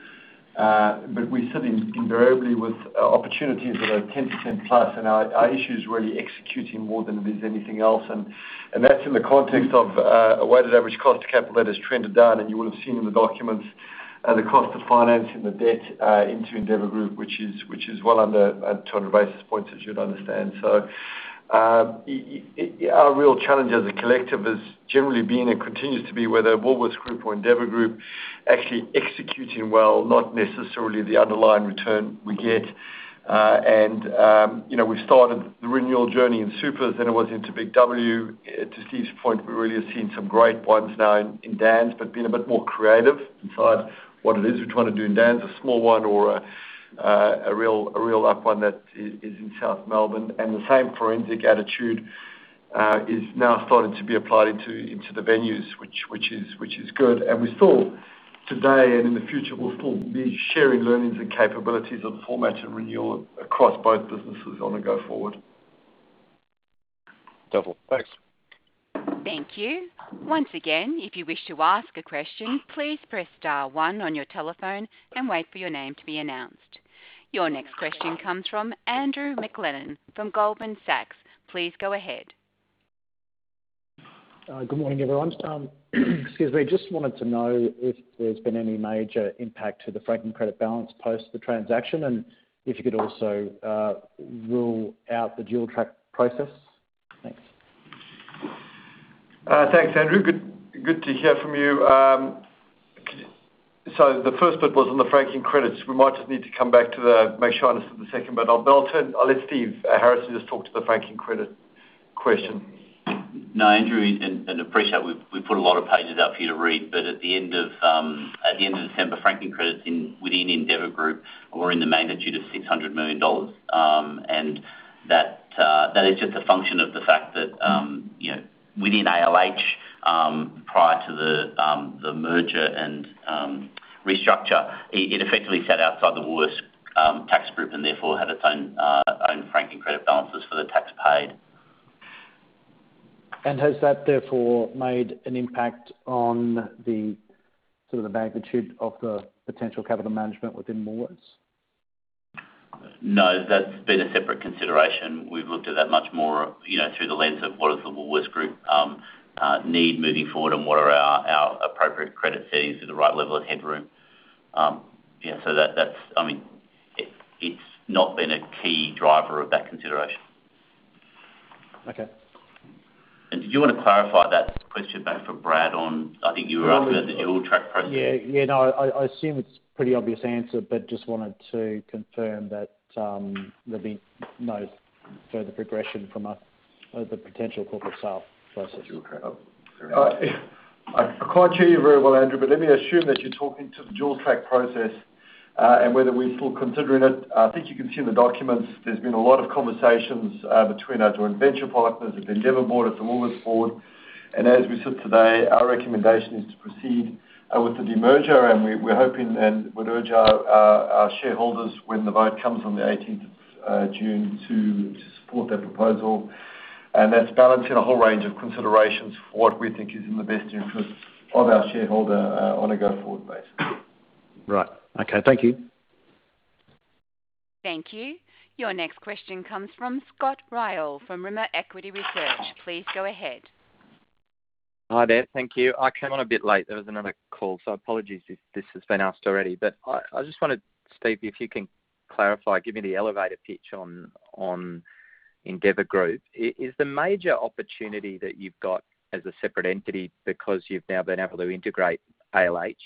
We sit invariably with opportunities that are 10%+, and our issue is really executing more than it is anything else. That's in the context of a weighted average cost of capital that has trended down, and you will have seen in the documents, and the cost of financing the debt into Endeavour Group, which is well under 200 basis points, as you'd understand. Our real challenge as a collective has generally been and continues to be whether Woolworths Group or Endeavour Group actually executing well, not necessarily the underlying return we get. We started the renewal journey in Supers, then it was into BIG W. To Steve's point, we're really seeing some great ones now in Dan's, being a bit more creative inside what it is we're trying to do in Dan's, a small one or a real up one that is in South Melbourne. The same forensic attitude is now starting to be applied into the venues, which is good. We still today and in the future, will still need sharing learnings and capabilities of the format to renew across both businesses on a go-forward. Defo. Thanks. Thank you. Once again, if you wish to ask a question, please press star one on your telephone and wait for your name to be announced. Your next question comes from Andrew McLennan from Goldman Sachs. Please go ahead. Good morning, everyone. Excuse me. Just wanted to know if there's been any major impact to the franking credit balance post the transaction, and if you could also rule out the dual-track process. Thanks. Thanks, Andrew. Good to hear from you. The first bit was on the franking credits. We might just need to come back to that. Make sure I understand the second one. I'll let Steve Harrison just talk to the franking credit question. No, Andrew, and appreciate we've put a lot of pages out for you to read, but at the end of December, franking credits within Endeavour Group were in the magnitude of 600 million dollars. That is just a function of the fact that within ALH, prior to the merger and restructure, it effectively sat outside the Woolworths tax group and therefore had its own franking credit balances for the tax paid. Has that therefore made an impact on the sort of magnitude of the potential capital management within Woolworths? No. That's been a separate consideration. We've looked at that much more through the lens of what does the Woolworths Group need moving forward and what are our appropriate credit fees at the right level of headroom. It's not been a key driver of that consideration. Okay. Do you want to clarify that question back for Brad on, I think you were after the dual-track process. Yeah. No, I assume it's a pretty obvious answer, but just wanted to confirm that there'll be no further progression from a potential corporate sale process. I can't hear you very well, Andrew, but let me assume that you're talking to the dual-track process, and whether we're still considering it. I think you can see in the documents there's been a lot of conversations between our joint venture partners, the Endeavour Group board, the Woolworths board, and as we sit today, our recommendation is to proceed with the demerger, and we're hoping and would urge our shareholders when the vote comes on the 18th of June to support that proposal. That's balancing a whole range of considerations for what we think is in the best interest of our shareholder on a go-forward base. Right. Okay, thank you. Thank you. Your next question comes from Scott Ryall from Rimor Equity Research. Please go ahead. Hi there. Thank you. I came on a bit late. There was another call, so apologies if this has been asked already. I just wonder, Steve, if you can clarify, give me the elevator pitch on Endeavour Group. Is the major opportunity that you've got as a separate entity because you've now been able to integrate ALH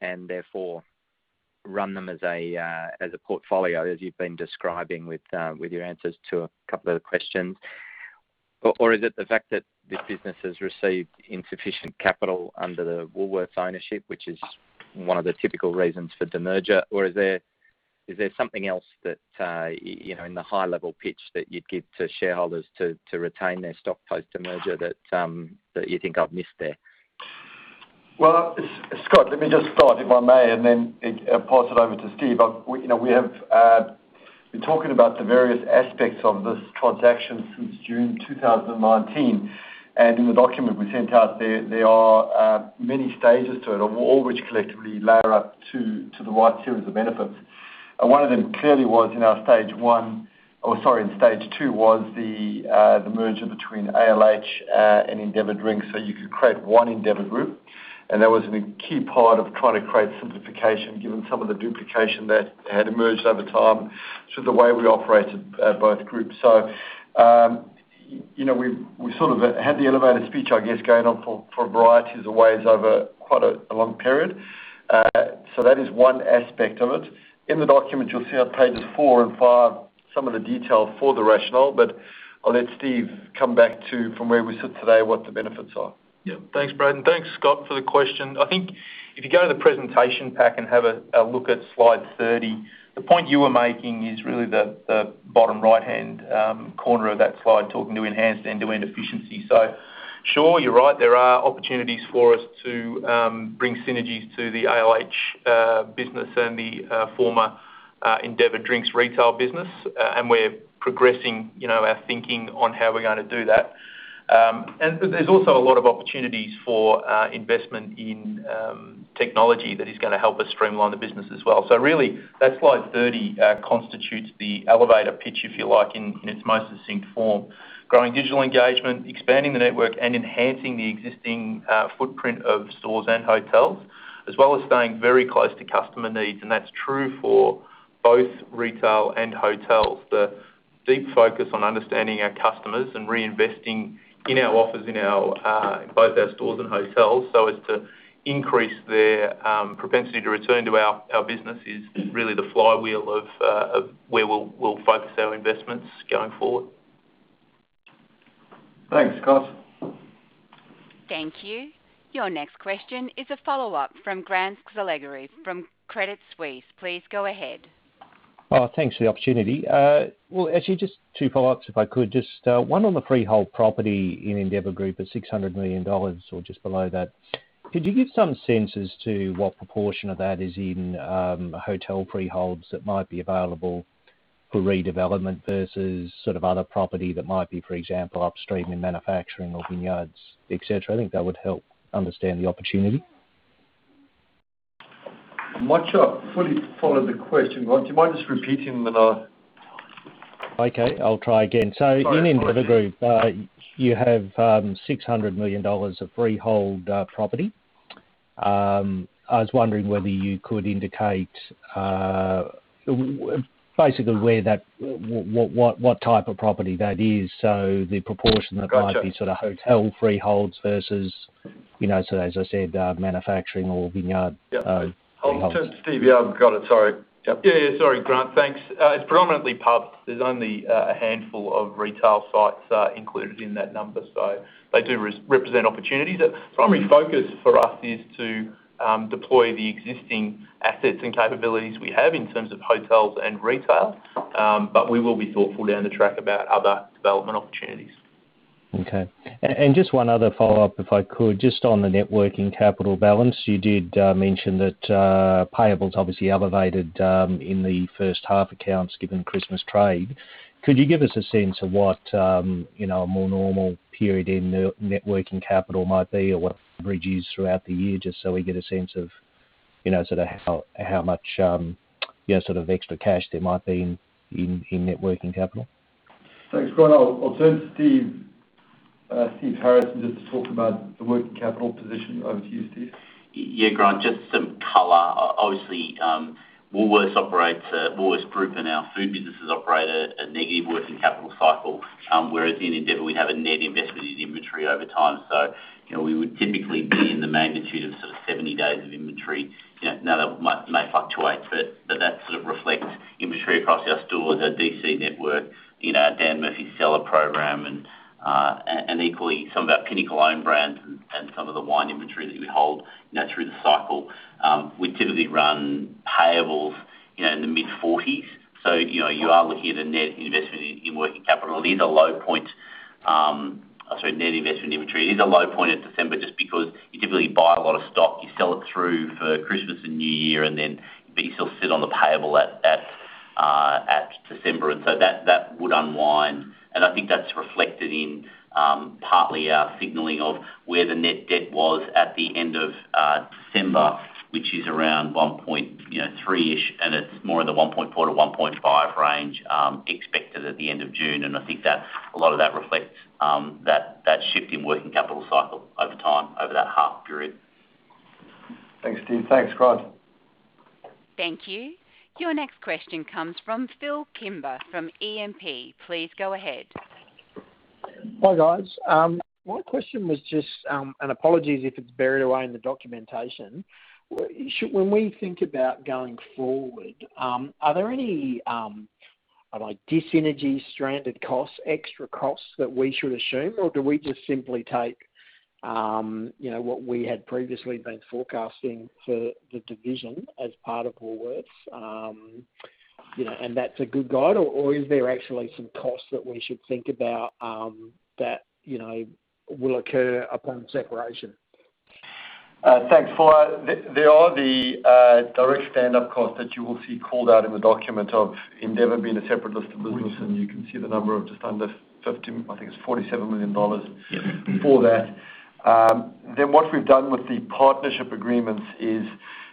and therefore run them as a portfolio, as you've been describing with your answers to a couple of questions? Is it the fact that this business has received insufficient capital under the Woolworths ownership, which is one of the typical reasons for demerger? Is there something else that in the high-level pitch that you'd give to shareholders to retain their stock post-demerger that you think I've missed there? Well, Scott, let me just start, if I may, and then pass it over to Steve. We have been talking about the various aspects of this transaction since June 2019, and in the document we sent out, there are many stages to it all, which collectively layer up to the wide tier of the benefits. One of them clearly was in our Stage 1, or sorry, in Stage 2, was the merger between ALH Group and Endeavour Drinks. You could create one Endeavour Group. That was a key part of trying to create simplification given some of the duplication that had emerged over time through the way we operated both groups. We've sort of had the elevator speech, I guess, going on for varieties of ways over quite a long period. That is one aspect of it. In the document, you'll see on pages four and five some of the detail for the rationale, but I'll let Steve come back to, from where we sit today, what the benefits are. Thanks, Brad. Thanks, Scott, for the question. I think if you go to the presentation pack and have a look at slide 30, the point you were making is really the bottom right-hand corner of that slide, talking to enhanced end-to-end efficiency. Sure, you're right, there are opportunities for us to bring synergies to the ALH business and the former Endeavour Drinks retail business. We're progressing our thinking on how we're going to do that. There's also a lot of opportunities for investment in technology that is going to help us streamline the business as well. Really, that slide 30 constitutes the elevator pitch, if you like, in its most succinct form. Growing digital engagement, expanding the network, and enhancing the existing footprint of stores and hotels, as well as staying very close to customer needs. That's true for both retail and hotels. The deep focus on understanding our customers and reinvesting in our offers in both our stores and hotels, so as to increase their propensity to return to our business is really the flywheel of where we'll focus our investments going forward. Thanks, Scott. Thank you. Your next question is a follow-up from Grant Saligari from Credit Suisse. Please go ahead. Thanks for the opportunity. Well, actually, just two follow-ups if I could. Just one on the freehold property in Endeavour Group of 600 million dollars or just below that. Could you give some sense as to what proportion of that is in hotel freeholds that might be available for redevelopment versus sort of other property that might be, for example, upstream in manufacturing or vineyards, et cetera? I think that would help understand the opportunity. I'm not sure I fully followed the question, Grant. Do you mind just repeating that? Okay, I'll try again. Sorry. In Endeavour Group, you have 600 million dollars of freehold property. I was wondering whether you could indicate basically what type of property that is. Got you. That might be sort of hotel freeholds versus, as I said, manufacturing or vineyard. Yeah. Freeholds. I'll turn to Steve. Yeah, I've got it. Sorry. Sorry, Grant. Thanks. It's predominantly pubs. There's only a handful of retail sites included in that number. They do represent opportunities. The primary focus for us is to deploy the existing assets and capabilities we have in terms of hotels and retail. We will be thoughtful down the track about other development opportunities. Okay. Just one other follow-up, if I could. Just on the networking capital balance, you did mention that payables obviously elevated in the first half accounts given Christmas trade. Could you give us a sense of what a more normal period in networking capital might be or what it produces throughout the year, just so we get a sense of sort of how much extra cash there might be in networking capital? Thanks, Grant. I'll turn to Steve Harrison, just to talk about the working capital position. Over to you, Steve. Yeah, Grant. Just some color. Obviously, Woolworths Group and our food businesses operate a negative working capital cycle, whereas in Endeavour, we'd have a net investment in inventory over time. We would typically be in the magnitude of sort of 70 days of inventory. That may fluctuate, but that sort of reflects inventory across our stores, our DC network, our Dan Murphy's cellar program, and equally some of our Pinnacle own brands and some of the wine inventory that we hold through the cycle. We typically run payables in the mid-40s. You are looking at a net investment in working capital. Net investment inventory. It is a low point in December just because you typically buy a lot of stock, you sell it through for Christmas and New Year, but you still sit on the payable at December. That would unwind. I think that's reflected in partly our signaling of where the net debt was at the end of December, which is around 1.3-ish billion, and it's more in the 1.4 billion-1.5 billion range expected at the end of June. I think a lot of that reflects that shift in working capital cycle over time over that half period. Thanks, Steve. Thanks, Grant. Thank you. Your next question comes from Phil Kimber from E&P. Please go ahead. Hi, guys. My question was just, and apologies if it's buried away in the documentation. When we think about going forward, are there any dis-synergy, stranded costs, extra costs that we should assume? Do we just simply take what we had previously been forecasting for the division as part of Woolworths, and that's a good guide? Is there actually some costs that we should think about that will occur upon separation? Thanks, Phil. There are the direct standup costs that you will see called out in the document of Endeavour Group being a separate listed business, and you can see the number of just under 50 million, I think it's 47 million dollars for that. What we've done with the partnership agreements is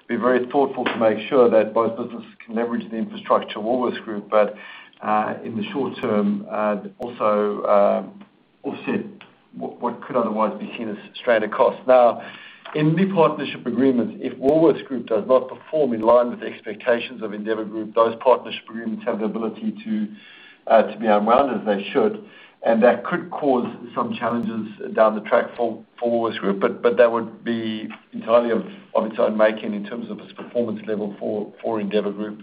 be very thoughtful to make sure that both businesses can leverage the infrastructure of Woolworths Group, but in the short term, also offset what could otherwise be seen as a stranded cost. In these partnership agreements, if Woolworths Group does not perform in line with expectations of Endeavour Group, those partnership agreements have the ability to be unwound as they should. That could cause some challenges down the track for Woolworths Group, but that would be entirely of its own making in terms of its performance level for Endeavour Group.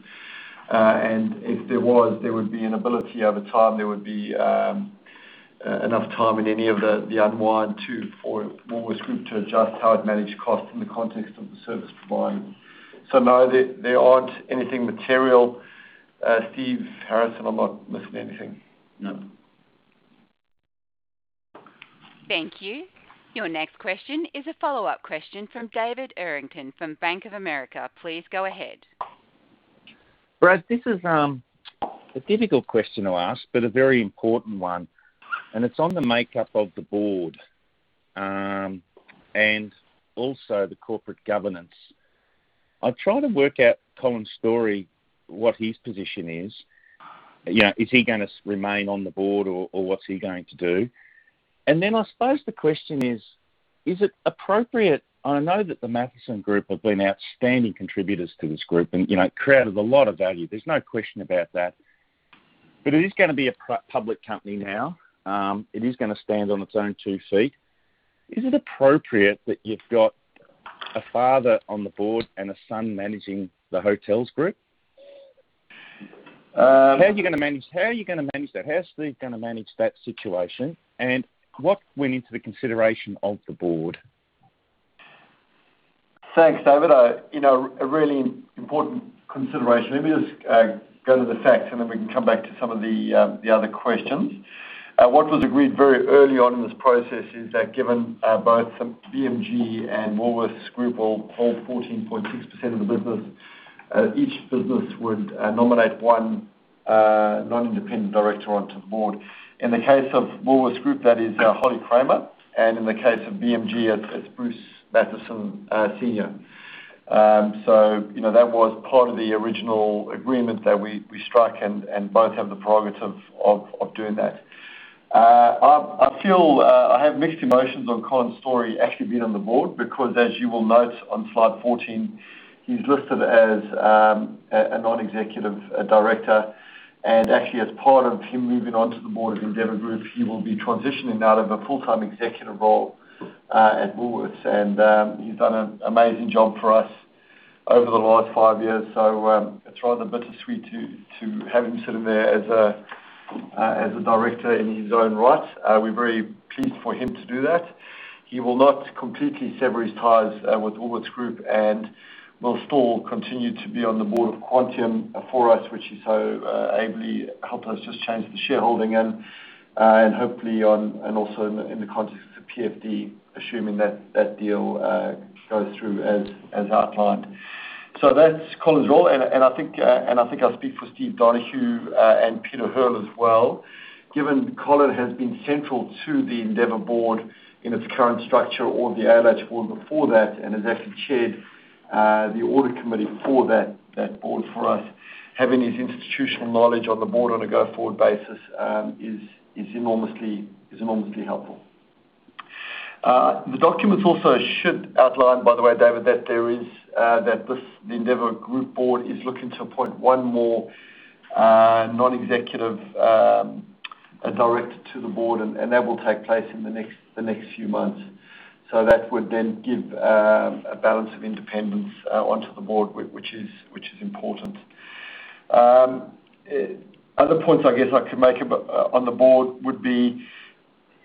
If there was, there would be an ability over time, there would be enough time in any of the unwind for Woolworths Group to adjust how it managed cost in the context of the service provided. No, there aren't anything material, Steve Harrison, or I'm missing anything? No. Thank you. Your next question is a follow-up question from David Errington from Bank of America. Please go ahead. Brad, this is a difficult question to ask, but a very important one, and it's on the makeup of the board, and also the corporate governance. I'm trying to work out Colin Storrie, what his position is. Is he going to remain on the board or what's he going to do? I suppose the question is. I know that the Mathieson Group have been outstanding contributors to this group and created a lot of value. There's no question about that. It is going to be a public company now. It is going to stand on its own two feet. Is it appropriate that you've got a father on the board and a son managing the hotels group? How are you going to manage that? How's Steve going to manage that situation? What went into the consideration of the board? Thanks, David. A really important consideration. Let me just go to the facts. Then we can come back to some of the other questions. What was agreed very early on in this process is that given both BMG and Woolworths Group all hold 14.6% of the business, each business would nominate one non-independent director onto the board. In the case of Woolworths Group, that is Holly Kramer. In the case of BMG, it's Bruce Mathieson Senior. That was part of the original agreement that we struck. Both have the prerogatives of doing that. I have mixed emotions on Colin Storrie actually being on the board because as you will note on slide 14, he's listed as a non-executive director and actually as part of him moving on to the board of Endeavour Group, he will be transitioning out of a full-time executive role at Woolworths. He's done an amazing job for us over the last five years. It's rather bittersweet to having him sitting there as a director in his own right. We're very pleased for him to do that. He will not completely sever his ties with Woolworths Group and will still continue to be on the board of Quantium for us, which he so ably helped us just change the shareholding and hopefully and also in the context of PFD, assuming that deal goes through as outlined. That's Colin Storrie's role, and I think I'll speak for Steve Donohue and Peter Hearl as well. Given Colin has been central to the Endeavour board in its current structure or the ALH board before that, and has actually chaired the audit committee for that board for us, having his institutional knowledge on the board on a go-forward basis is enormously helpful. The documents also should outline, by the way, David, that the Endeavour Group board is looking to appoint one more non-executive director to the board, and that will take place in the next few months. That would then give a balance of independence onto the board, which is important. Other points I guess I could make on the board would be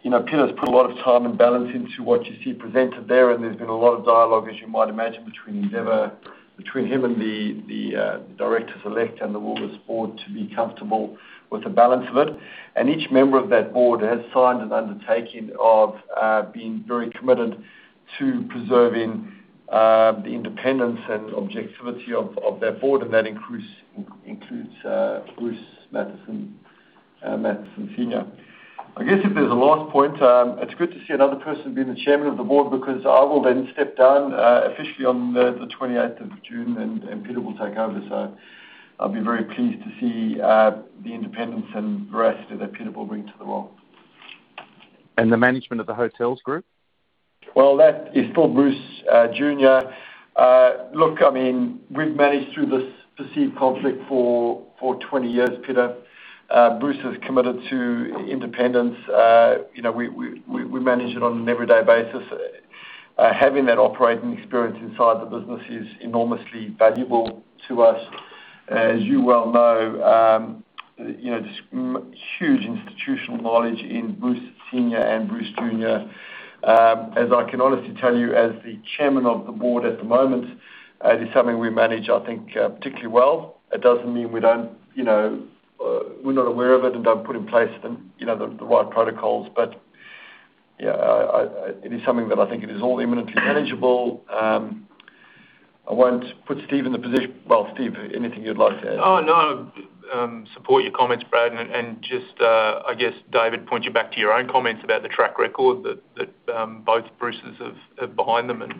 Peter's put a lot of time and balance into what you see presented there, and there's been a lot of dialogue, as you might imagine, between him and the directors elect and the Woolworths board to be comfortable with the balance of it. Each member of that board has signed an undertaking of being very committed to preserving the independence and objectivity of that board, and that includes Bruce Mathieson Senior. I guess if there's a last point, it's good to see another person being the chairman of the board because I will then step down officially on the 28th of June and Peter will take over. I'll be very pleased to see the independence and veracity that Peter will bring to the role. The management of the hotels group? That is for Bruce Junior. Look, we've managed through this perceived conflict for 20 years, David. Bruce has committed to independence. We manage it on an everyday basis. Having that operating experience inside the business is enormously valuable to us. As you well know, there's huge institutional knowledge in Bruce Senior and Bruce Junior. As I can honestly tell you, as the Chairman of the Board at the moment, it is something we manage, I think particularly well. It doesn't mean we're not aware of it and don't put in place the right protocols. It is something that I think is all eminently manageable. I won't put Steve in the position. Well, Steve, anything you'd like to add? Support your comments, Brad, and just, I guess, David, point you back to your own comments about the track record that both Bruces are behind them, and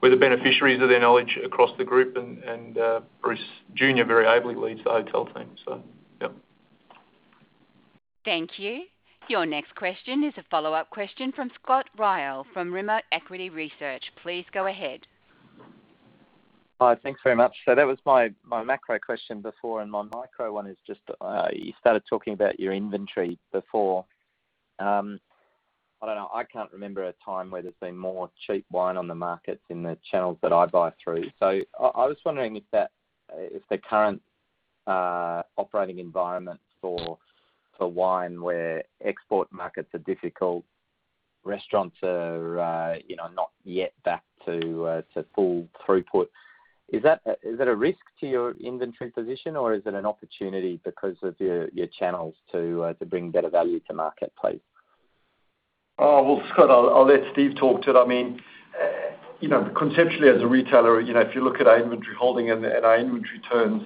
we're the beneficiaries of their knowledge across the group, and Bruce Junior very ably leads the hotel team. Thank you. Your next question is a follow-up question from Scott Ryall from Rimor Equity Research. Please go ahead. Hi, thanks very much. That was my macro question before, and my micro one is just, you started talking about your inventory before. I don't know, I can't remember a time where there's been more cheap wine on the markets in the channels that I buy through. I was wondering if the current operating environment for wine where export markets are difficult, restaurants are not yet back to full throughput, is that a risk to your inventory position or is it an opportunity because of your channels to bring better value to market, please? Scott, I'll let Steve talk to it. Conceptually, as a retailer, if you look at our inventory holding and our inventory turns,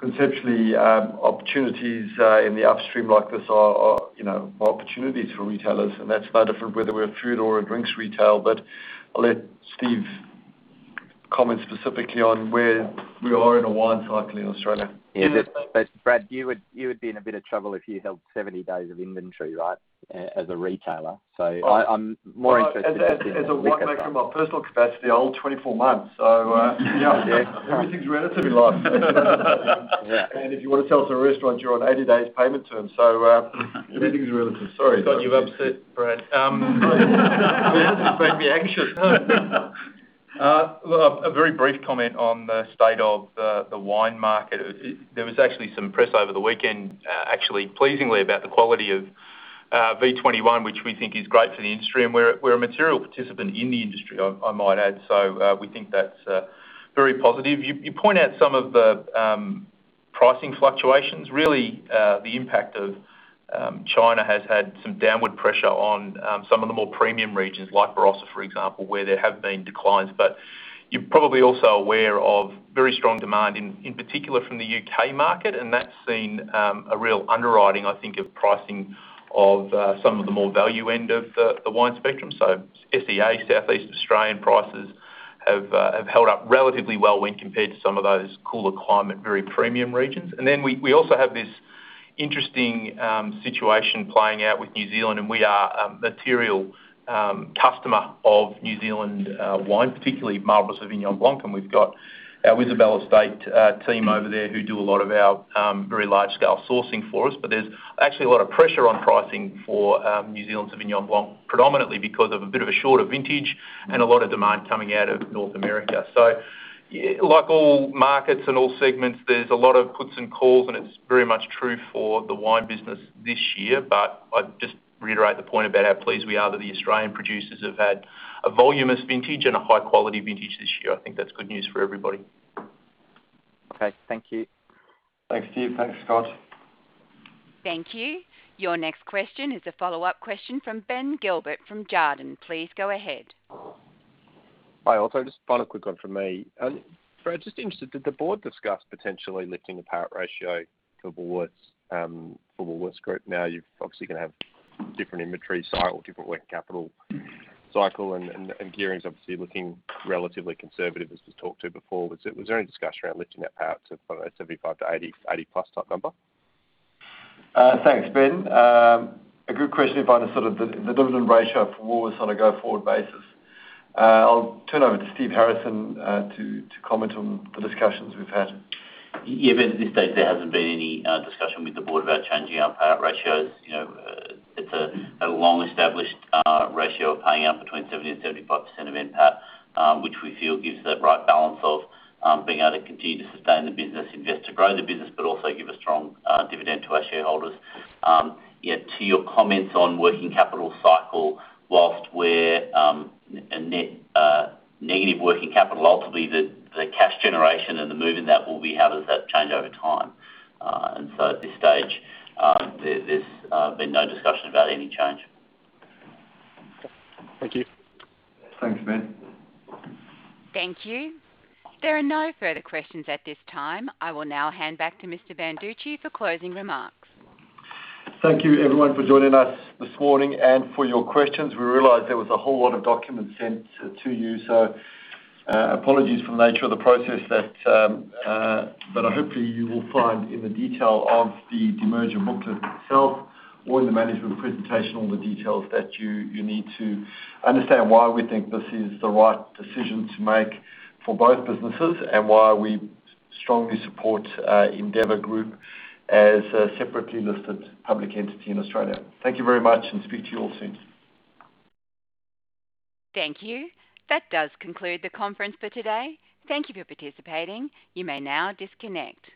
conceptually, opportunities in the upstream like this are opportunities for retailers, and that's no matter whether we're food or a drinks retailer. I'll let Steve comment specifically on where we are in a wine cycle in Australia. Yeah, Brad, you would be in a bit of trouble if you held 70 days of inventory, right? As a retailer. I'm more interested as a liquor customer. As a wine customer, my personal capacity, I hold 24 months. Everything's relative, right? Yeah. If you want to sell to a restaurant, you're on 80 days payment terms. Everything's relative. Sorry, Steve. You've upset Brad. Make me anxious. A very brief comment on the state of the wine market. There was actually some press over the weekend, actually pleasingly, about the quality of V21, which we think is great for the industry, and we're a material participant in the industry, I might add. We think that's very positive. You point out some of the pricing fluctuations. Really, the impact of China has had some downward pressure on some of the more premium regions, like Barossa, for example, where there have been declines. You're probably also aware of very strong demand, in particular from the U.K. market, and that's seen a real underwriting, I think, of pricing of some of the more value end of the wine spectrum. SEA, Southeast Australian prices, have held up relatively well when compared to some of those cooler climate, very premium regions. We also have this interesting situation playing out with New Zealand, and we are a material customer of New Zealand wine, particularly marvelous Sauvignon Blanc, and we've got our Isabel Estate team over there who do a lot of our very large-scale sourcing for us. There's actually a lot of pressure on pricing for New Zealand Sauvignon Blanc, predominantly because of a bit of a shorter vintage and a lot of demand coming out of North America. Like all markets and all segments, there's a lot of puts and calls, and it's very much true for the wine business this year. I'd just reiterate the point about how pleased we are that the Australian producers have had a voluminous vintage and a high-quality vintage this year. I think that's good news for everybody. Great. Thank you. Thanks, Steve. Thanks, Scott. Thank you. Your next question is a follow-up question from Ben Gilbert from Jarden. Please go ahead. Hi. I'll take just a final quick one from me. Brad, just interested, did the board discuss potentially lifting the payout ratio for Woolworths Group now you're obviously going to have different inventory cycle, different working capital cycle, and gearing is obviously looking relatively conservative as we talked to before. Was there any discussion around lifting it out to 75%-80%+ type number? Thanks, Ben. A good question about the dividend ratio for Woolworths on a go-forward basis. I'll turn over to Steve Harrison to comment on the discussions we've had. Yeah, Ben, to this stage, there hasn't been any discussion with the board about changing our payout ratios. It's a long-established ratio of paying out between 70% and 75% of NPAT, which we feel gives the right balance of being able to continue to sustain the business, invest to grow the business, but also give a strong dividend to our shareholders. To your comments on working capital cycle, whilst we're a net negative working capital, ultimately, the cash generation and the movement of that will be how does that change over time. At this stage, there's been no discussion about any change. Thank you. Thanks, Ben. Thank you. There are no further questions at this time. I will now hand back to Mr. Banducci for closing remarks. Thank you everyone for joining us this morning and for your questions. We realize there was a whole lot of documents sent to you, so apologies for the nature of the process that hopefully you will find in the detail of the demerger booklet itself or in the management presentation, all the details that you need to understand why we think this is the right decision to make for both businesses and why we strongly support Endeavour Group as a separately listed public entity in Australia. Thank you very much and speak to you all soon. Thank you. That does conclude the conference for today. Thank you for participating. You may now disconnect.